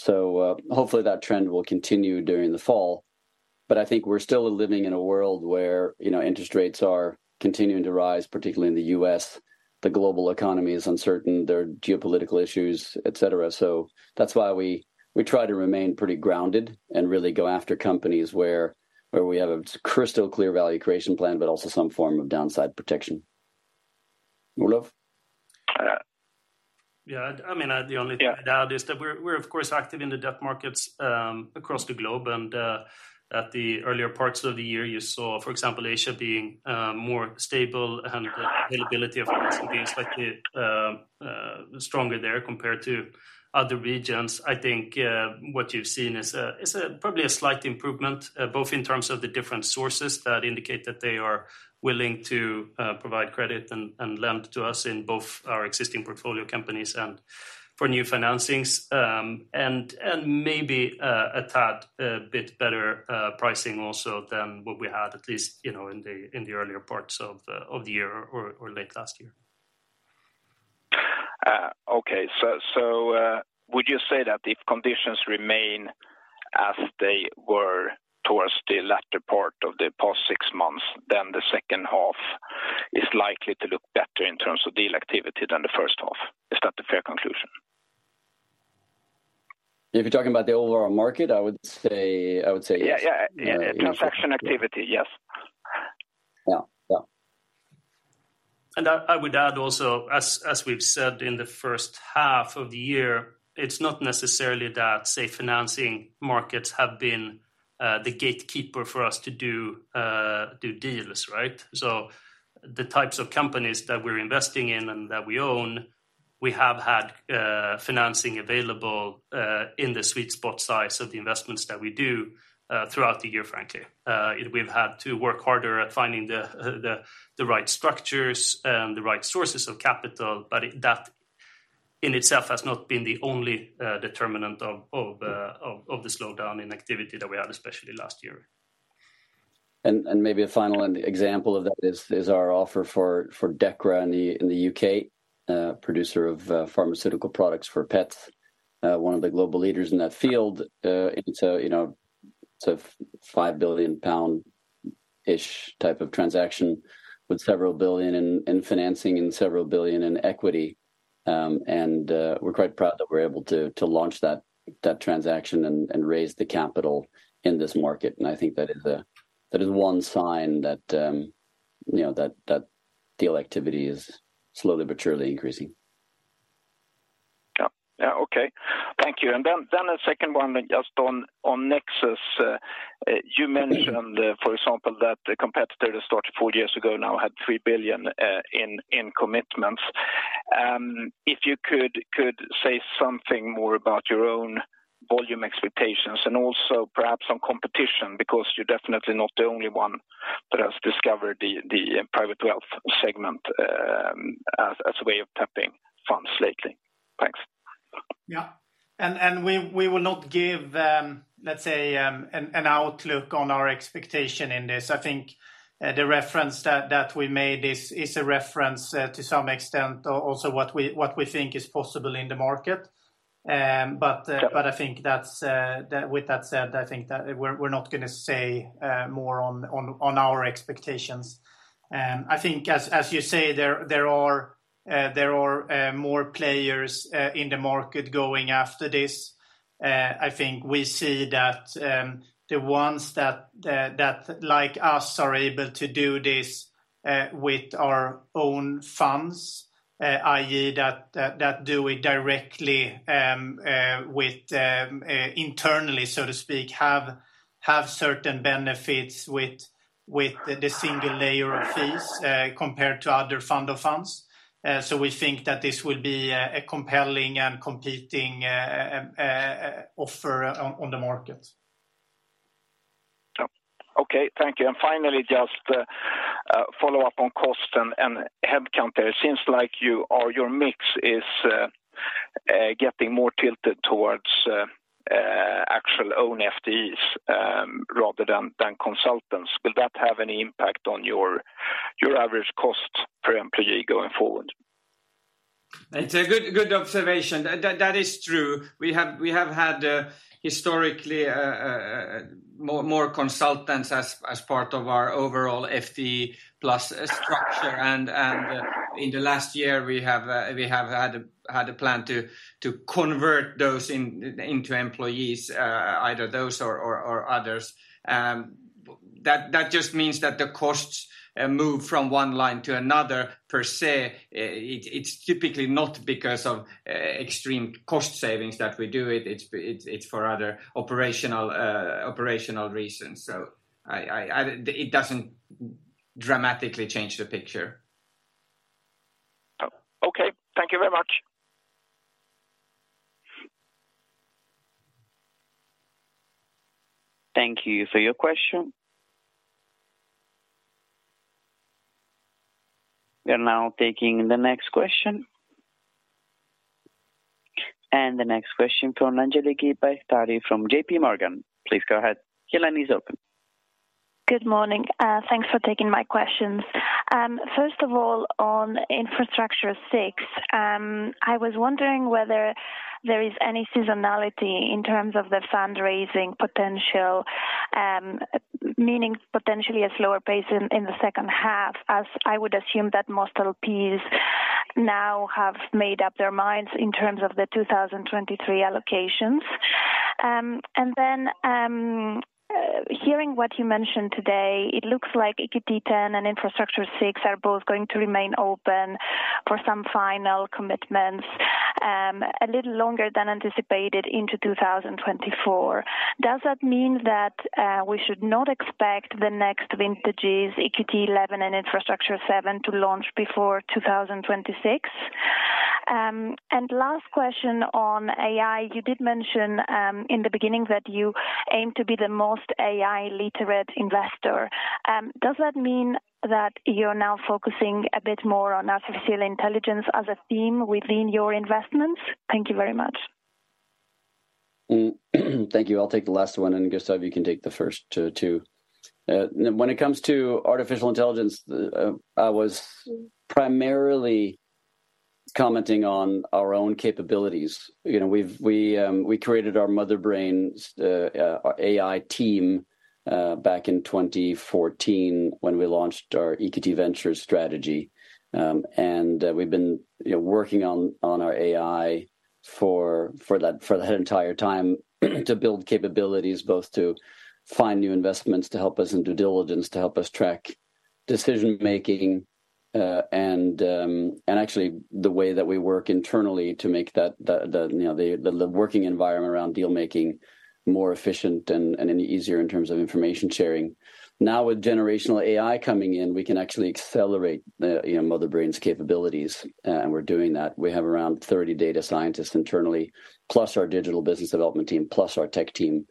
Hopefully, that trend will continue during the fall. I think we're still living in a world where, you know, interest rates are continuing to rise, particularly in the U.S. The global economy is uncertain, there are geopolitical issues, et cetera. That's why we try to remain pretty grounded and really go after companies where we have a crystal clear value creation plan, but also some form of downside protection. Olof? Yeah, I mean, the only thing to add is that we're, of course, active in the debt markets across the globe. At the earlier parts of the year, you saw, for example, Asia being more stable and the availability of being slightly stronger there compared to other regions. I think what you've seen is a probably a slight improvement both in terms of the different sources that indicate that they are willing to provide credit and lend to us in both our existing portfolio companies and for new financings. And maybe a tad, a bit better pricing also than what we had, at least, you know, in the earlier parts of the year or late last year. Okay, would you say that if conditions remain as they were towards the latter part of the past six months, then the second half is likely to look better in terms of deal activity than the first half? Is that a fair conclusion? If you're talking about the overall market, I would say yes. Yeah, yeah. Transaction activity, yes. Yeah. Yeah. I would add also, as we've said in the first half of the year, it's not necessarily that, say, financing markets have been the gatekeeper for us to do deals, right. The types of companies that we're investing in and that we own, we have had financing available in the sweet spot size of the investments that we do throughout the year, frankly. We've had to work harder at finding the right structures and the right sources of capital, but that in itself has not been the only determinant of the slowdown in activity that we had, especially last year. Maybe a final example of that is our offer for Dechra in the UK, producer of pharmaceutical products for pets, one of the global leaders in that field. You know, it's a 5 billion pound-ish type of transaction, with several billion GBP in financing and several billion GBP in equity. We're quite proud that we're able to launch that transaction and raise the capital in this market. I think that is one sign that, you know, that deal activity is slowly but surely increasing. Okay. Thank you. Then the second one, just on EQT Nexus. You mentioned, for example, that the competitor that started four years ago now had $3 billion in commitments. If you could say something more about your own volume expectations and also perhaps on competition, because you're definitely not the only one that has discovered the private wealth segment as a way of tapping funds lately. Thanks. Yeah. We will not give, let's say, an outlook on our expectation in this. I think, the reference that we made is a reference, to some extent, also what we think is possible in the market. Yeah I think that's that with that said, I think that we're not gonna say more on our expectations. I think as you say, there are more players in the market going after this. I think we see that the ones that like us, are able to do this with our own funds, i.e., that do it directly with internally, so to speak, have certain benefits with the single layer of fees compared to other fund of funds. We think that this will be a compelling and competing offer on the market. Yeah. Okay. Thank you. Finally, just a follow-up on cost and headcount. It seems like you or your mix is getting more tilted towards actual own FTEs rather than consultants. Will that have any impact on your average cost per employee going forward? It's a good observation. That is true. We have had historically more consultants as part of our overall FTE+ structure. In the last year, we have had a plan to convert those into employees, either those or others. That just means that the costs move from one line to another per se. It's typically not because of extreme cost savings that we do it's for other operational reasons. It doesn't dramatically change the picture. Oh, okay. Thank you very much. Thank you for your question. We are now taking the next question. The next question from Angeliki Bairaktari from J.P. Morgan. Please go ahead, your line is open. Good morning. Thanks for taking my questions. First of all, on Infrastructure VI, I was wondering whether there is any seasonality in terms of the fundraising potential, meaning potentially a slower pace in the second half, as I would assume that most LPs now have made up their minds in terms of the 2023 allocations. Hearing what you mentioned today, it looks like Equity Ten and Infrastructure VI are both going to remain open for some final commitments a little longer than anticipated into 2024. Does that mean that we should not expect the next vintages, Equity Eleven and Infrastructure Seven, to launch before 2026? Last question on AI. You did mention in the beginning that you aim to be the most AI literate investor. Does that mean that you're now focusing a bit more on artificial intelligence as a theme within your investments? Thank you very much. Thank you. I'll take the last one, Gustav, you can take the first two. When it comes to artificial intelligence, I was primarily commenting on our own capabilities. You know, we created our Motherbrain, our AI team, back in 2014 when we launched our EQT Ventures strategy. We've been, you know, working on our AI for that entire time, to build capabilities, both to find new investments, to help us in due diligence, to help us track decision-making. Actually, the way that we work internally to make the, you know, the working environment around deal making more efficient and easier in terms of information sharing. With generative AI coming in, we can actually accelerate the, you know, Motherbrain's capabilities, and we're doing that. We have around 30 data scientists internally, plus our digital business development team, plus our tech team,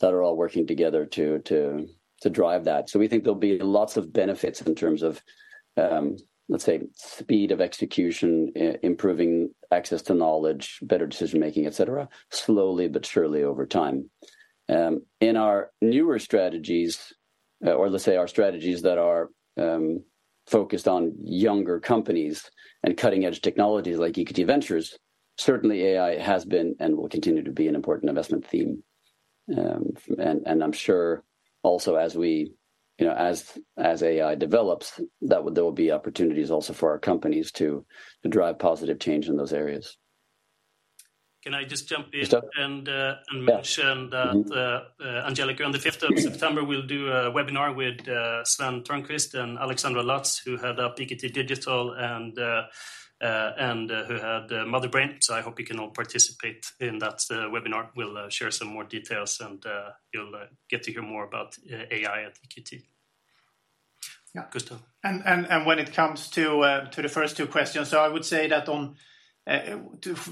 that are all working together to drive that. We think there'll be lots of benefits in terms of, let's say, speed of execution, improving access to knowledge, better decision-making, et cetera, slowly but surely over time. In our newer strategies, or let's say our strategies that are focused on younger companies and cutting-edge technologies like EQT Ventures, certainly AI has been and will continue to be an important investment theme. I'm sure also you know, as AI develops, that there will be opportunities also for our companies to drive positive change in those areas. Can I just jump in. Sure... and, uh, and- Yeah... mention that Angelika, on the fifth of September, we'll do a webinar with Sven Törnkvist and Alexandra Lutz, who head up EQT Digital and who head Motherbrain. I hope you can all participate in that webinar. We'll share some more details, and you'll get to hear more about AI at EQT. Yeah. Gustav. When it comes to the first two questions, I would say that on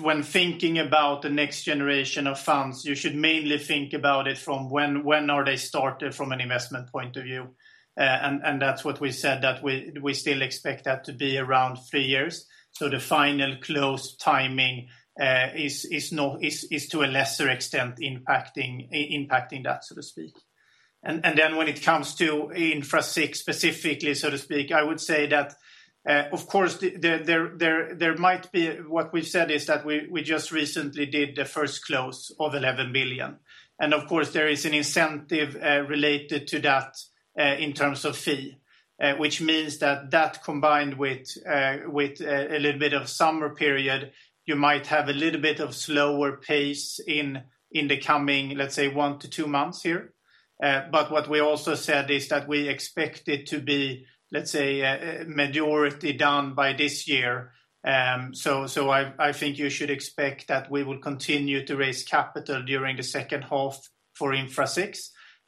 when thinking about the next generation of funds, you should mainly think about it from when are they started from an investment point of view. That's what we said, that we still expect that to be around three years. The final close timing is not is to a lesser extent, impacting that, so to speak. When it comes to Infra VI, specifically, so to speak, I would say that, of course, there might be what we said is that we just recently did the first close of 11 billion. Of course, there is an incentive related to that in terms of fee, which means that that combined with a little bit of summer period, you might have a little bit of slower pace in the coming, let's say, one-two months here. What we also said is that we expect it to be, let's say, majority done by this year. I think you should expect that we will continue to raise capital during the second half for Infra VI,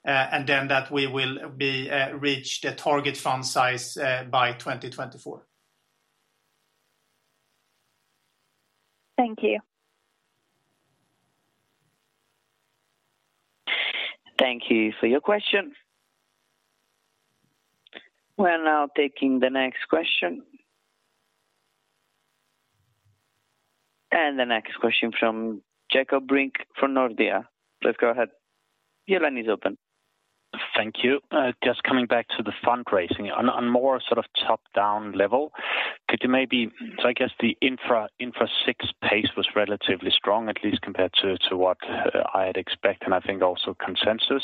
and then that we will be reach the target fund size by 2024. Thank you. Thank you for your question. We're now taking the next question. The next question from Jakob Brink from Nordea. Please go ahead. Your line is open. Thank you. Just coming back to the fundraising, on more sort of top-down level. I guess the Infra VI pace was relatively strong, at least compared to what I had expected, and I think also consensus.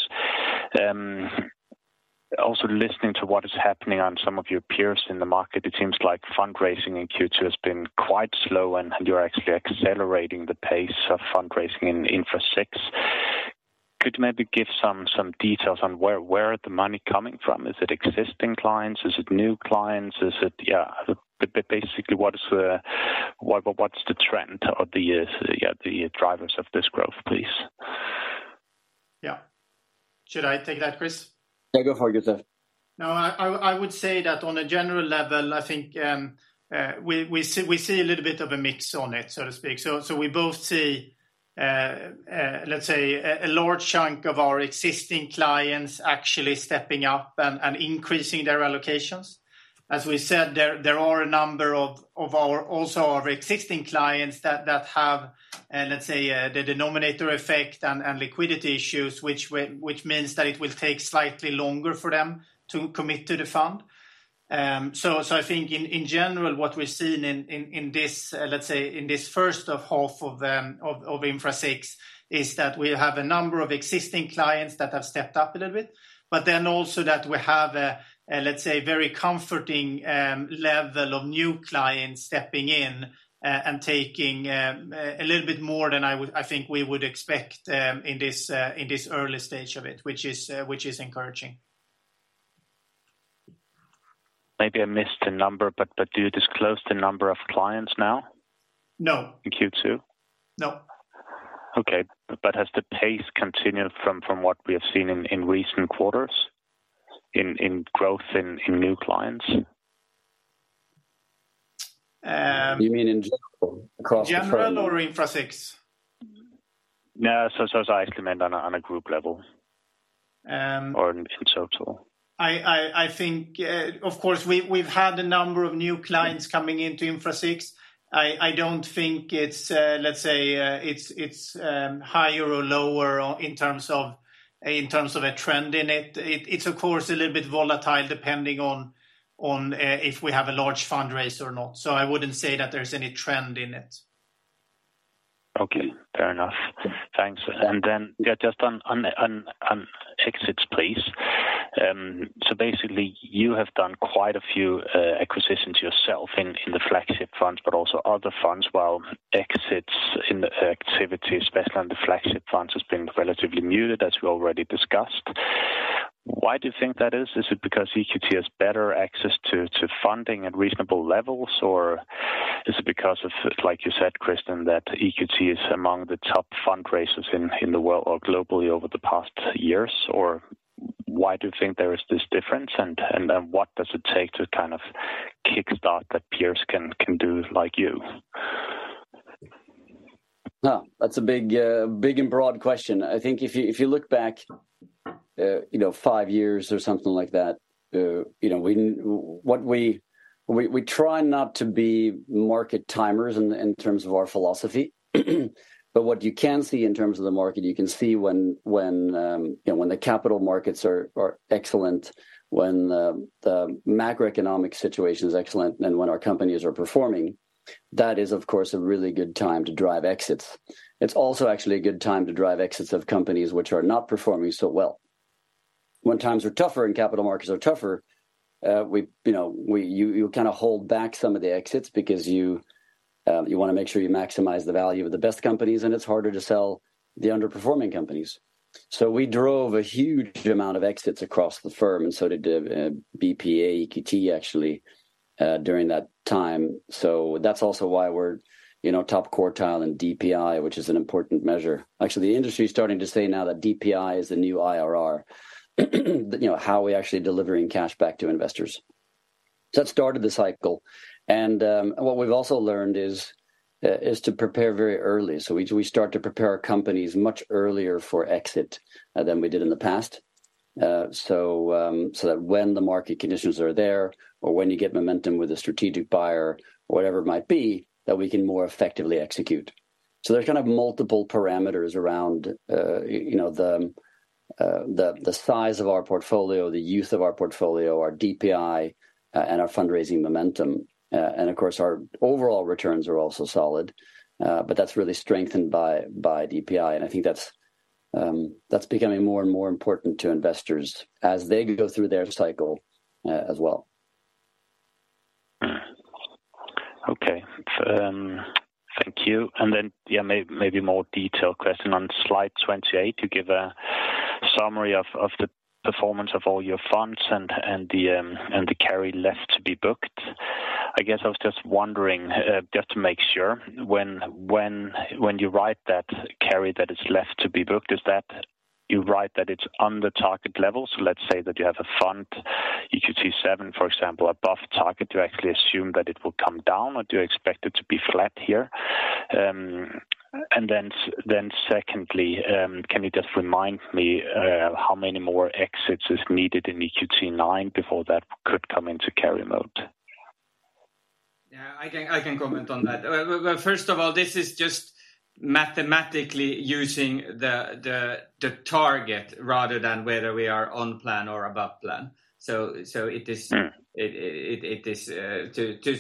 Also listening to what is happening on some of your peers in the market, it seems like fundraising in Q2 has been quite slow, and you're actually accelerating the pace of fundraising in Infra VI. Could you maybe give some details on where is the money coming from? Is it existing clients? Is it new clients? Yeah, basically, what is the, what's the trend of the years, yeah, the drivers of this growth, please? Yeah. Should I take that, Chris? Yeah, go for it, Gustav. No, I would say that on a general level, I think, we see a little bit of a mix on it, so to speak. We both see, let's say, a large chunk of our existing clients actually stepping up and increasing their allocations. As we said, there are a number of our, also our existing clients that have, let's say, the denominator effect and liquidity issues, which means that it will take slightly longer for them to commit to the fund. I think in general, what we've seen in this, let's say, in this first half of Infra VI, is that we have a number of existing clients that have stepped up a little bit, but then also that we have a let's say, a very comforting level of new clients stepping in, and taking a little bit more than I think we would expect, in this, in this early stage of it, which is, which is encouraging. Maybe I missed the number, but do you disclose the number of clients now? No. In Q2? No. Okay, has the pace continued from what we have seen in recent quarters, in growth in new clients? Um- You mean in general, across the-? General or Infra VI? No, I recommend on a group level or in the future at all? I think, of course, we've had a number of new clients coming into Infra VI. I don't think it's, let's say, it's higher or lower on, in terms of a trend in it. It's of course, a little bit volatile, depending on, if we have a large fundraise or not. I wouldn't say that there's any trend in it. Okay, fair enough. Thanks. Just on exits, please. Basically you have done quite a few acquisitions yourself in the flagship funds, but also other funds, while exits in the activity, especially on the flagship funds, has been relatively muted, as we already discussed. Why do you think that is? Is it because EQT has better access to funding at reasonable levels, or is it because of, like you said, Christian, that EQT is among the top fundraisers in the world or globally over the past years? Or why do you think there is this difference, and what does it take to kind of kickstart that peers can do like you? That's a big, big and broad question. I think if you, if you look back, you know, five years or something like that, you know, what we try not to be market timers in terms of our philosophy. What you can see in terms of the market, you can see when, you know, when the capital markets are excellent, when the macroeconomic situation is excellent and when our companies are performing, that is, of course, a really good time to drive exits. It's also actually a good time to drive exits of companies which are not performing so well. When times are tougher and capital markets are tougher, you know, you kind of hold back some of the exits because you wanna make sure you maximize the value of the best companies, and it's harder to sell the underperforming companies. We drove a huge amount of exits across the firm, and so did the BPEA EQT, actually, during that time. That's also why we're, you know, top quartile in DPI, which is an important measure. Actually, the industry is starting to say now that DPI is the new IRR. You know, how we're actually delivering cash back to investors. That started the cycle. What we've also learned is to prepare very early. We start to prepare our companies much earlier for exit than we did in the past. That when the market conditions are there or when you get momentum with a strategic buyer, whatever it might be, that we can more effectively execute. There's kind of multiple parameters around the size of our portfolio, the youth of our portfolio, our DPI and our fundraising momentum. Of course, our overall returns are also solid, but that's really strengthened by DPI, and I think that's becoming more and more important to investors as they go through their cycle, as well. Okay. Thank you. Yeah, maybe more detailed question on slide 28, you give a summary of the performance of all your funds and the carry left to be booked. I guess I was just wondering, just to make sure, when you write that carry that is left to be booked, is that you write that it's on the target level? Let's say that you have a fund, EQT VII, for example, above target, do you actually assume that it will come down, or do you expect it to be flat here? Secondly, can you just remind me how many more exits is needed in EQT IX before that could come into carry mode? Yeah, I can comment on that. Well, first of all, this is just mathematically using the target rather than whether we are on plan or above plan. It is- Mm. It is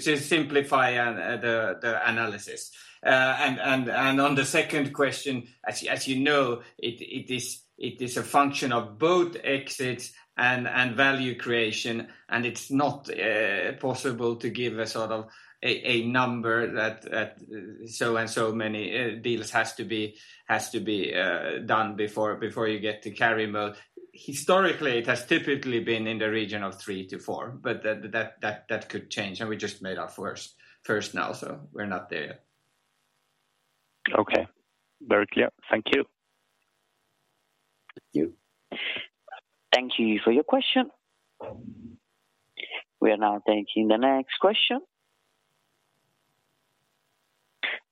to simplify the analysis. On the second question, as you know, it is a function of both exits and value creation, and it's not possible to give a sort of a number that so and so many deals has to be done before you get to carry mode. Historically, it has typically been in the region of three-four, but that could change, and we just made our first now, so we're not there yet. Okay. Very clear. Thank you. Thank you. Thank you for your question. We are now taking the next question.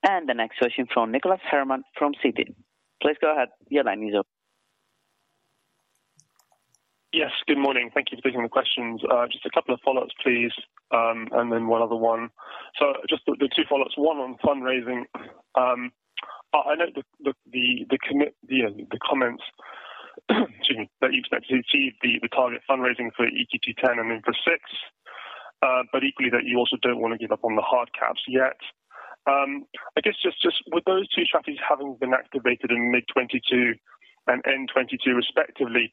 The next question from Nicholas Herman from Citi. Please go ahead. Your line is open. Yes, good morning. Thank you for taking the questions. Just a couple of follow-ups, please, and then one other one. Just the two follow-ups, one on fundraising. I know the comments, excuse me, that you expect to achieve the target fundraising for EQT X and EQT Infrastructure VI, but equally, that you also don't want to give up on the hard caps yet. I guess just with those two strategies having been activated in mid-2022 and end 2022 respectively,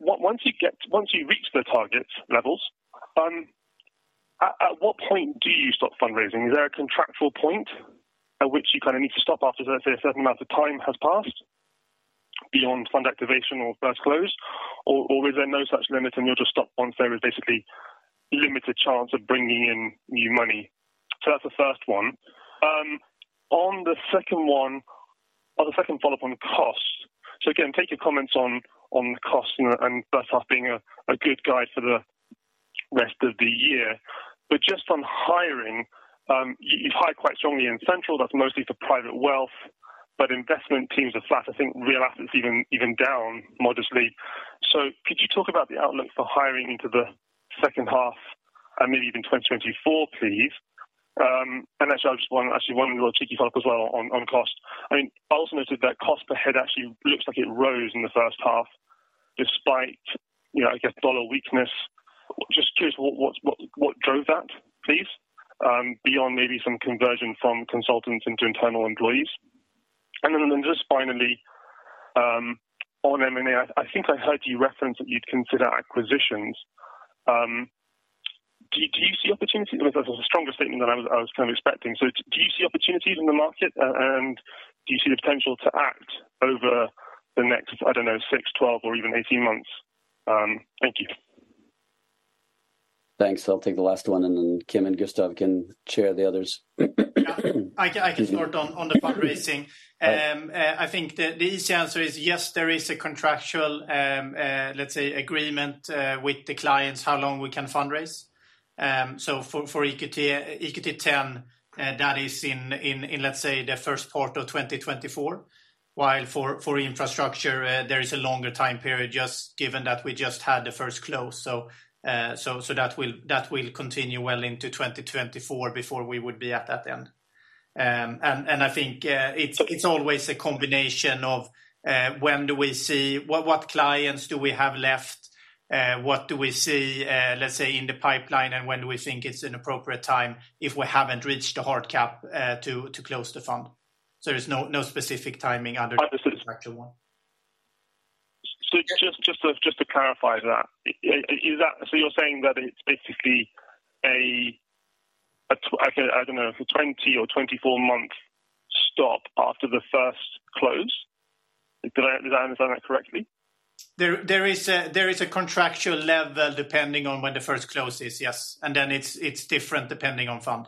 once you reach the target levels, at what point do you stop fundraising? Is there a contractual point at which you kind of need to stop after, let's say, a certain amount of time has passed beyond fund activation or first close? Or is there no such limit, and you'll just stop once there is basically limited chance of bringing in new money? That's the first one. On the second one, or the second follow-up on costs. Again, take your comments on the costs, you know, and that's us being a good guide for the rest of the year. Just on hiring, you've hired quite strongly in Central, that's mostly for private wealth, but investment teams are flat. I think real assets even down modestly. Could you talk about the outlook for hiring into the second half and maybe even 2024, please? Actually I just actually one little cheeky follow-up as well on cost. I mean, I also noted that cost per head actually looks like it rose in the first half, despite, you know, I guess, dollar weakness. Just curious, what drove that, please, beyond maybe some conversion from consultants into internal employees? Just finally, on M&A, I think I heard you reference that you'd consider acquisitions. Do you see opportunity? That was a stronger statement than I was kind of expecting. Do you see opportunities in the market, and do you see the potential to act over the next, I don't know, six, 12 or even 18 months? Thank you. Thanks. I'll take the last one, and then Kim and Gustav can share the others. Yeah, I can start on the fundraising. I think the easy answer is yes, there is a contractual, let's say, agreement with the clients, how long we can fundraise. For EQT X, that is in, let's say, the Q1 of 2024, while for EQT Infrastructure, there is a longer time period, just given that we just had the first close. That will continue well into 2024 before we would be at that end. I think it's always a combination of when do we see... What clients do we have left? What do we see, let's say, in the pipeline, and when do we think it's an appropriate time if we haven't reached the hard cap, close the fund? There's no specific timing under the structural one. Just to clarify that, is that you're saying that it's basically a, I don't know, 20 or 24-month stop after the first close? Did I understand that correctly? There is a contractual level depending on when the first close is, yes, and then it's different depending on fund.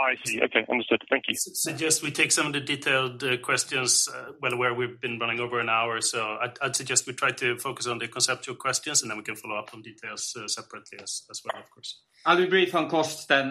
I see. Okay, understood. Thank you. I suggest we take some of the detailed questions, well, where we've been running over an hour, so I'd suggest we try to focus on the conceptual questions, and then we can follow up on details separately as well, of course. I'll be brief on costs then.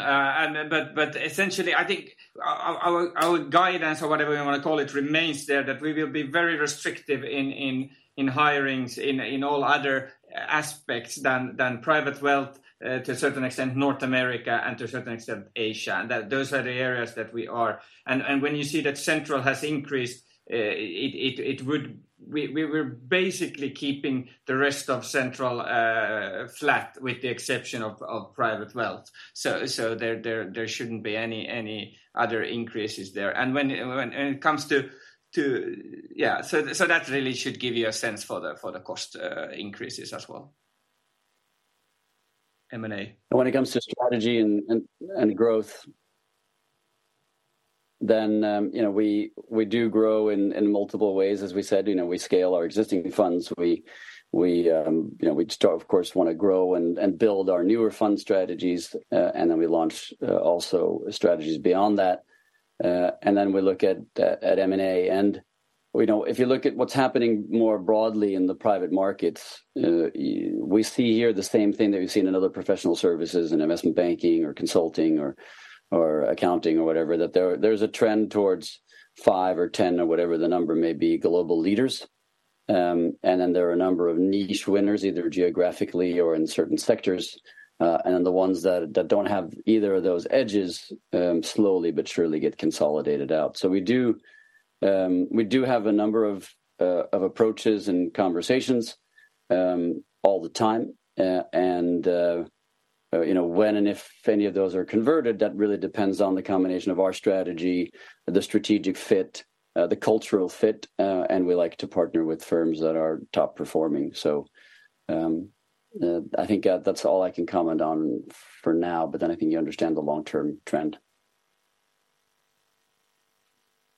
Essentially, I think our guidance or whatever you want to call it, remains there, that we will be very restrictive in hirings, in all other aspects than private wealth, to a certain extent North America and to a certain extent Asia, and that those are the areas that we are. When you see that Central has increased, we're basically keeping the rest of Central flat, with the exception of private wealth. There shouldn't be any other increases there. That really should give you a sense for the cost increases as well. M&A. When it comes to strategy and growth, then, you know, we do grow in multiple ways. As we said, you know, we scale our existing funds. We, you know, we'd start, of course, want to grow and build our newer fund strategies, and then we launch also strategies beyond that. Then we look at M&A, and we know. If you look at what's happening more broadly in the private markets, we see here the same thing that we've seen in other professional services, in investment banking or consulting or accounting or whatever, that there's a trend towards five or 10 or whatever the number may be, global leaders. Then there are a number of niche winners, either geographically or in certain sectors, the ones that don't have either of those edges, slowly but surely get consolidated out. We do have a number of approaches and conversations, all the time. You know, when and if any of those are converted, that really depends on the combination of our strategy, the strategic fit, the cultural fit, and we like to partner with firms that are top performing. I think that's all I can comment on for now, I think you understand the long-term trend.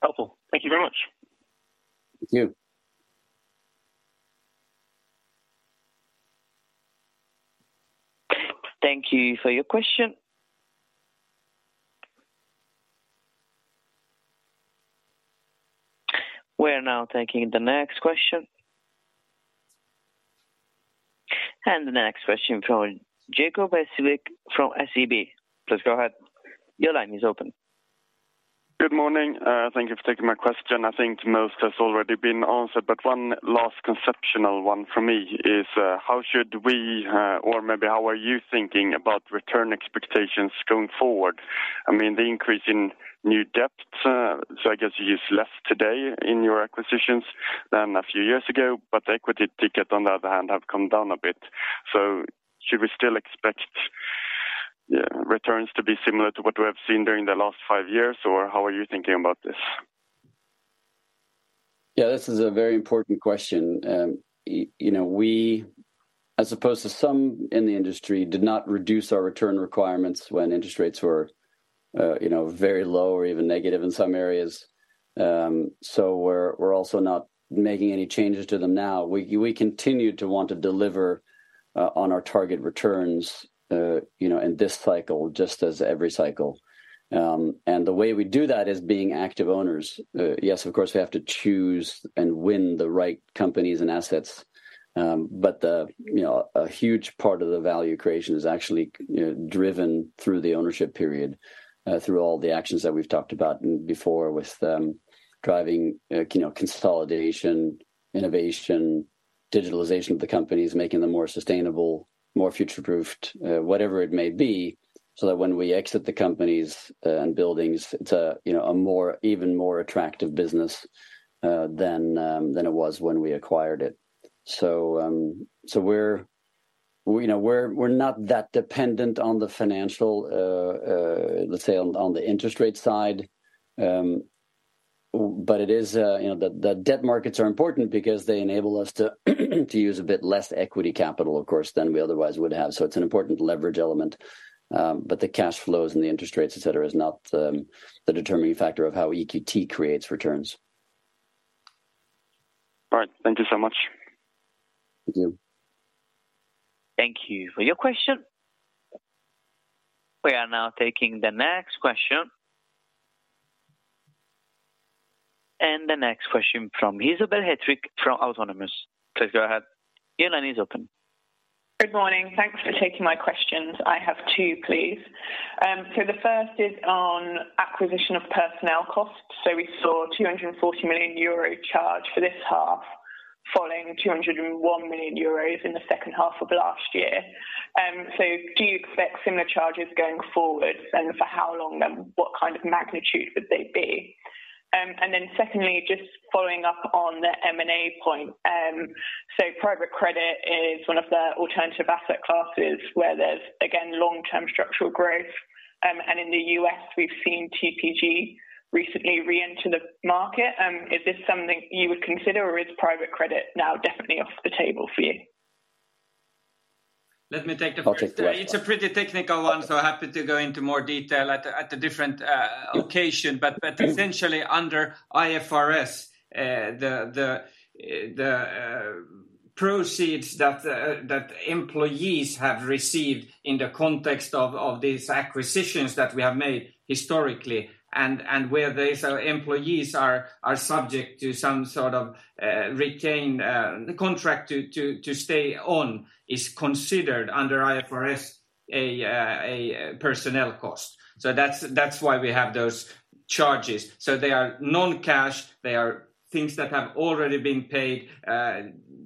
Helpful. Thank you very much. Thank you. Thank you for your question. We're now taking the next question. The next question from Jacob Wesvik from SEB. Please go ahead. Your line is open. Good morning. Thank you for taking my question. I think most has already been answered, but one last conceptual one for me is, how should we, or maybe how are you thinking about return expectations going forward? I mean, the increase in new debt, so I guess you use less today in your acquisitions than a few years ago, but the equity ticket, on the other hand, have come down a bit. Should we still expect returns to be similar to what we have seen during the last five years, or how are you thinking about this? Yeah, this is a very important question. you know, we, as opposed to some in the industry, did not reduce our return requirements when interest rates were, you know, very low or even negative in some areas. We're also not making any changes to them now. We continue to want to deliver on our target returns, you know, in this cycle, just as every cycle. The way we do that is being active owners. Yes, of course, we have to choose and win the right companies and assets, you know, a huge part of the value creation is actually, you know, driven through the ownership period, through all the actions that we've talked about before with driving, you know, consolidation, innovation, digitalization of the companies, making them more sustainable, more future-proofed, whatever it may be, so that when we exit the companies and buildings, it's a, you know, a more even more attractive business than it was when we acquired it. We're, you know, we're not that dependent on the financial, let's say, on the interest rate side. It is, you know, the debt markets are important because they enable us to use a bit less equity capital, of course, than we otherwise would have. It's an important leverage element, but the cash flows and the interest rates, et cetera, is not the determining factor of how EQT creates returns. All right. Thank you so much. Thank you. Thank you for your question. We are now taking the next question. The next question from Isabelle Hetrick from Autonomous. Please go ahead. Your line is open. Good morning. Thanks for taking my questions. I have two, please. The first is on acquisition of personnel costs. We saw 240 million euro charge for this half, following 201 million euros in the second half of last year. Do you expect similar charges going forward, and for how long, and what kind of magnitude would they be? Then secondly, just following up on the M&A point. Private credit is one of the alternative asset classes where there's, again, long-term structural growth. In the US, we've seen TPG recently reenter the market. Is this something you would consider, or is private credit now definitely off the table for you? Let me take the first. It's a pretty technical one, happy to go into more detail at a different occasion. Essentially, under IFRS, the proceeds that employees have received in the context of these acquisitions that we have made historically, and where these employees are subject to some sort of retained contract to stay on, is considered under IFRS a personnel cost. That's why we have those charges. They are non-cash. They are things that have already been paid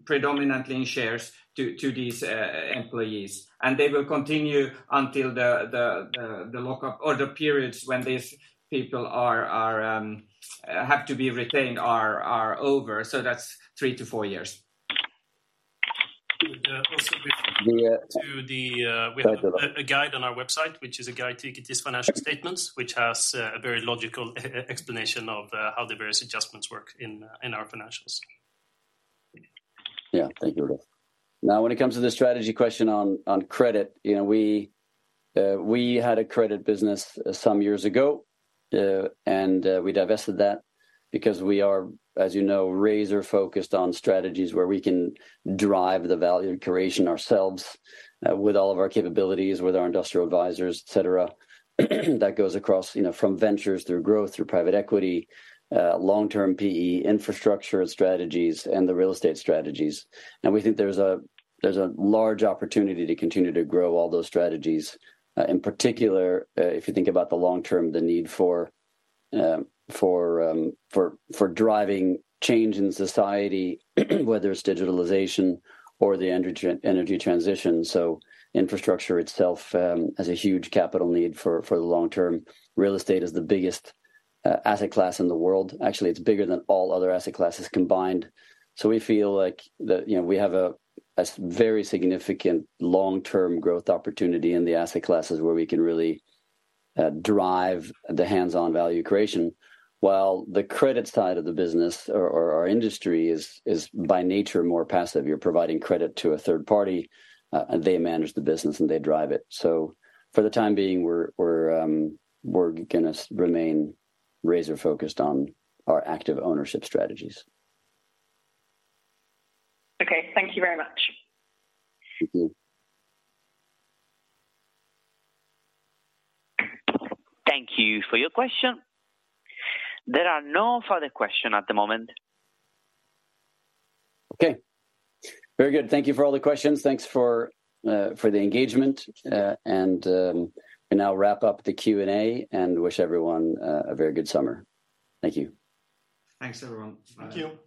predominantly in shares to these employees. They will continue until the lockup or the periods when these people are have to be retained are over. That's three to four years. also The to the, we have a guide on our website, which is a guide to EQT's financial statements, which has a very logical explanation of how the various adjustments work in our financials. Yeah. Thank you, Rikke. Now, when it comes to the strategy question on credit, you know, we had a credit business some years ago, and we divested that because we are, as you know, razor-focused on strategies where we can drive the value creation ourselves, with all of our capabilities, with our industrial advisors, et cetera. That goes across, you know, from ventures, through growth, through private equity, long-term PE, infrastructure strategies, and the real estate strategies. We think there's a large opportunity to continue to grow all those strategies. In particular, if you think about the long term, the need for driving change in society, whether it's digitalization or the energy transition. Infrastructure itself has a huge capital need for the long term. Real estate is the biggest asset class in the world. Actually, it's bigger than all other asset classes combined. We feel like You know, we have a very significant long-term growth opportunity in the asset classes where we can really drive the hands-on value creation. While the credits side of the business or our industry is by nature, more passive. You're providing credit to a third party, and they manage the business, and they drive it. For the time being, we're gonna remain razor-focused on our active ownership strategies. Okay, thank you very much. Thank you. Thank you for your question. There are no further questions at the moment. Okay. Very good. Thank you for all the questions. Thanks for the engagement, and we now wrap up the Q&A, and wish everyone a very good summer. Thank you. Thanks, everyone. Thank you.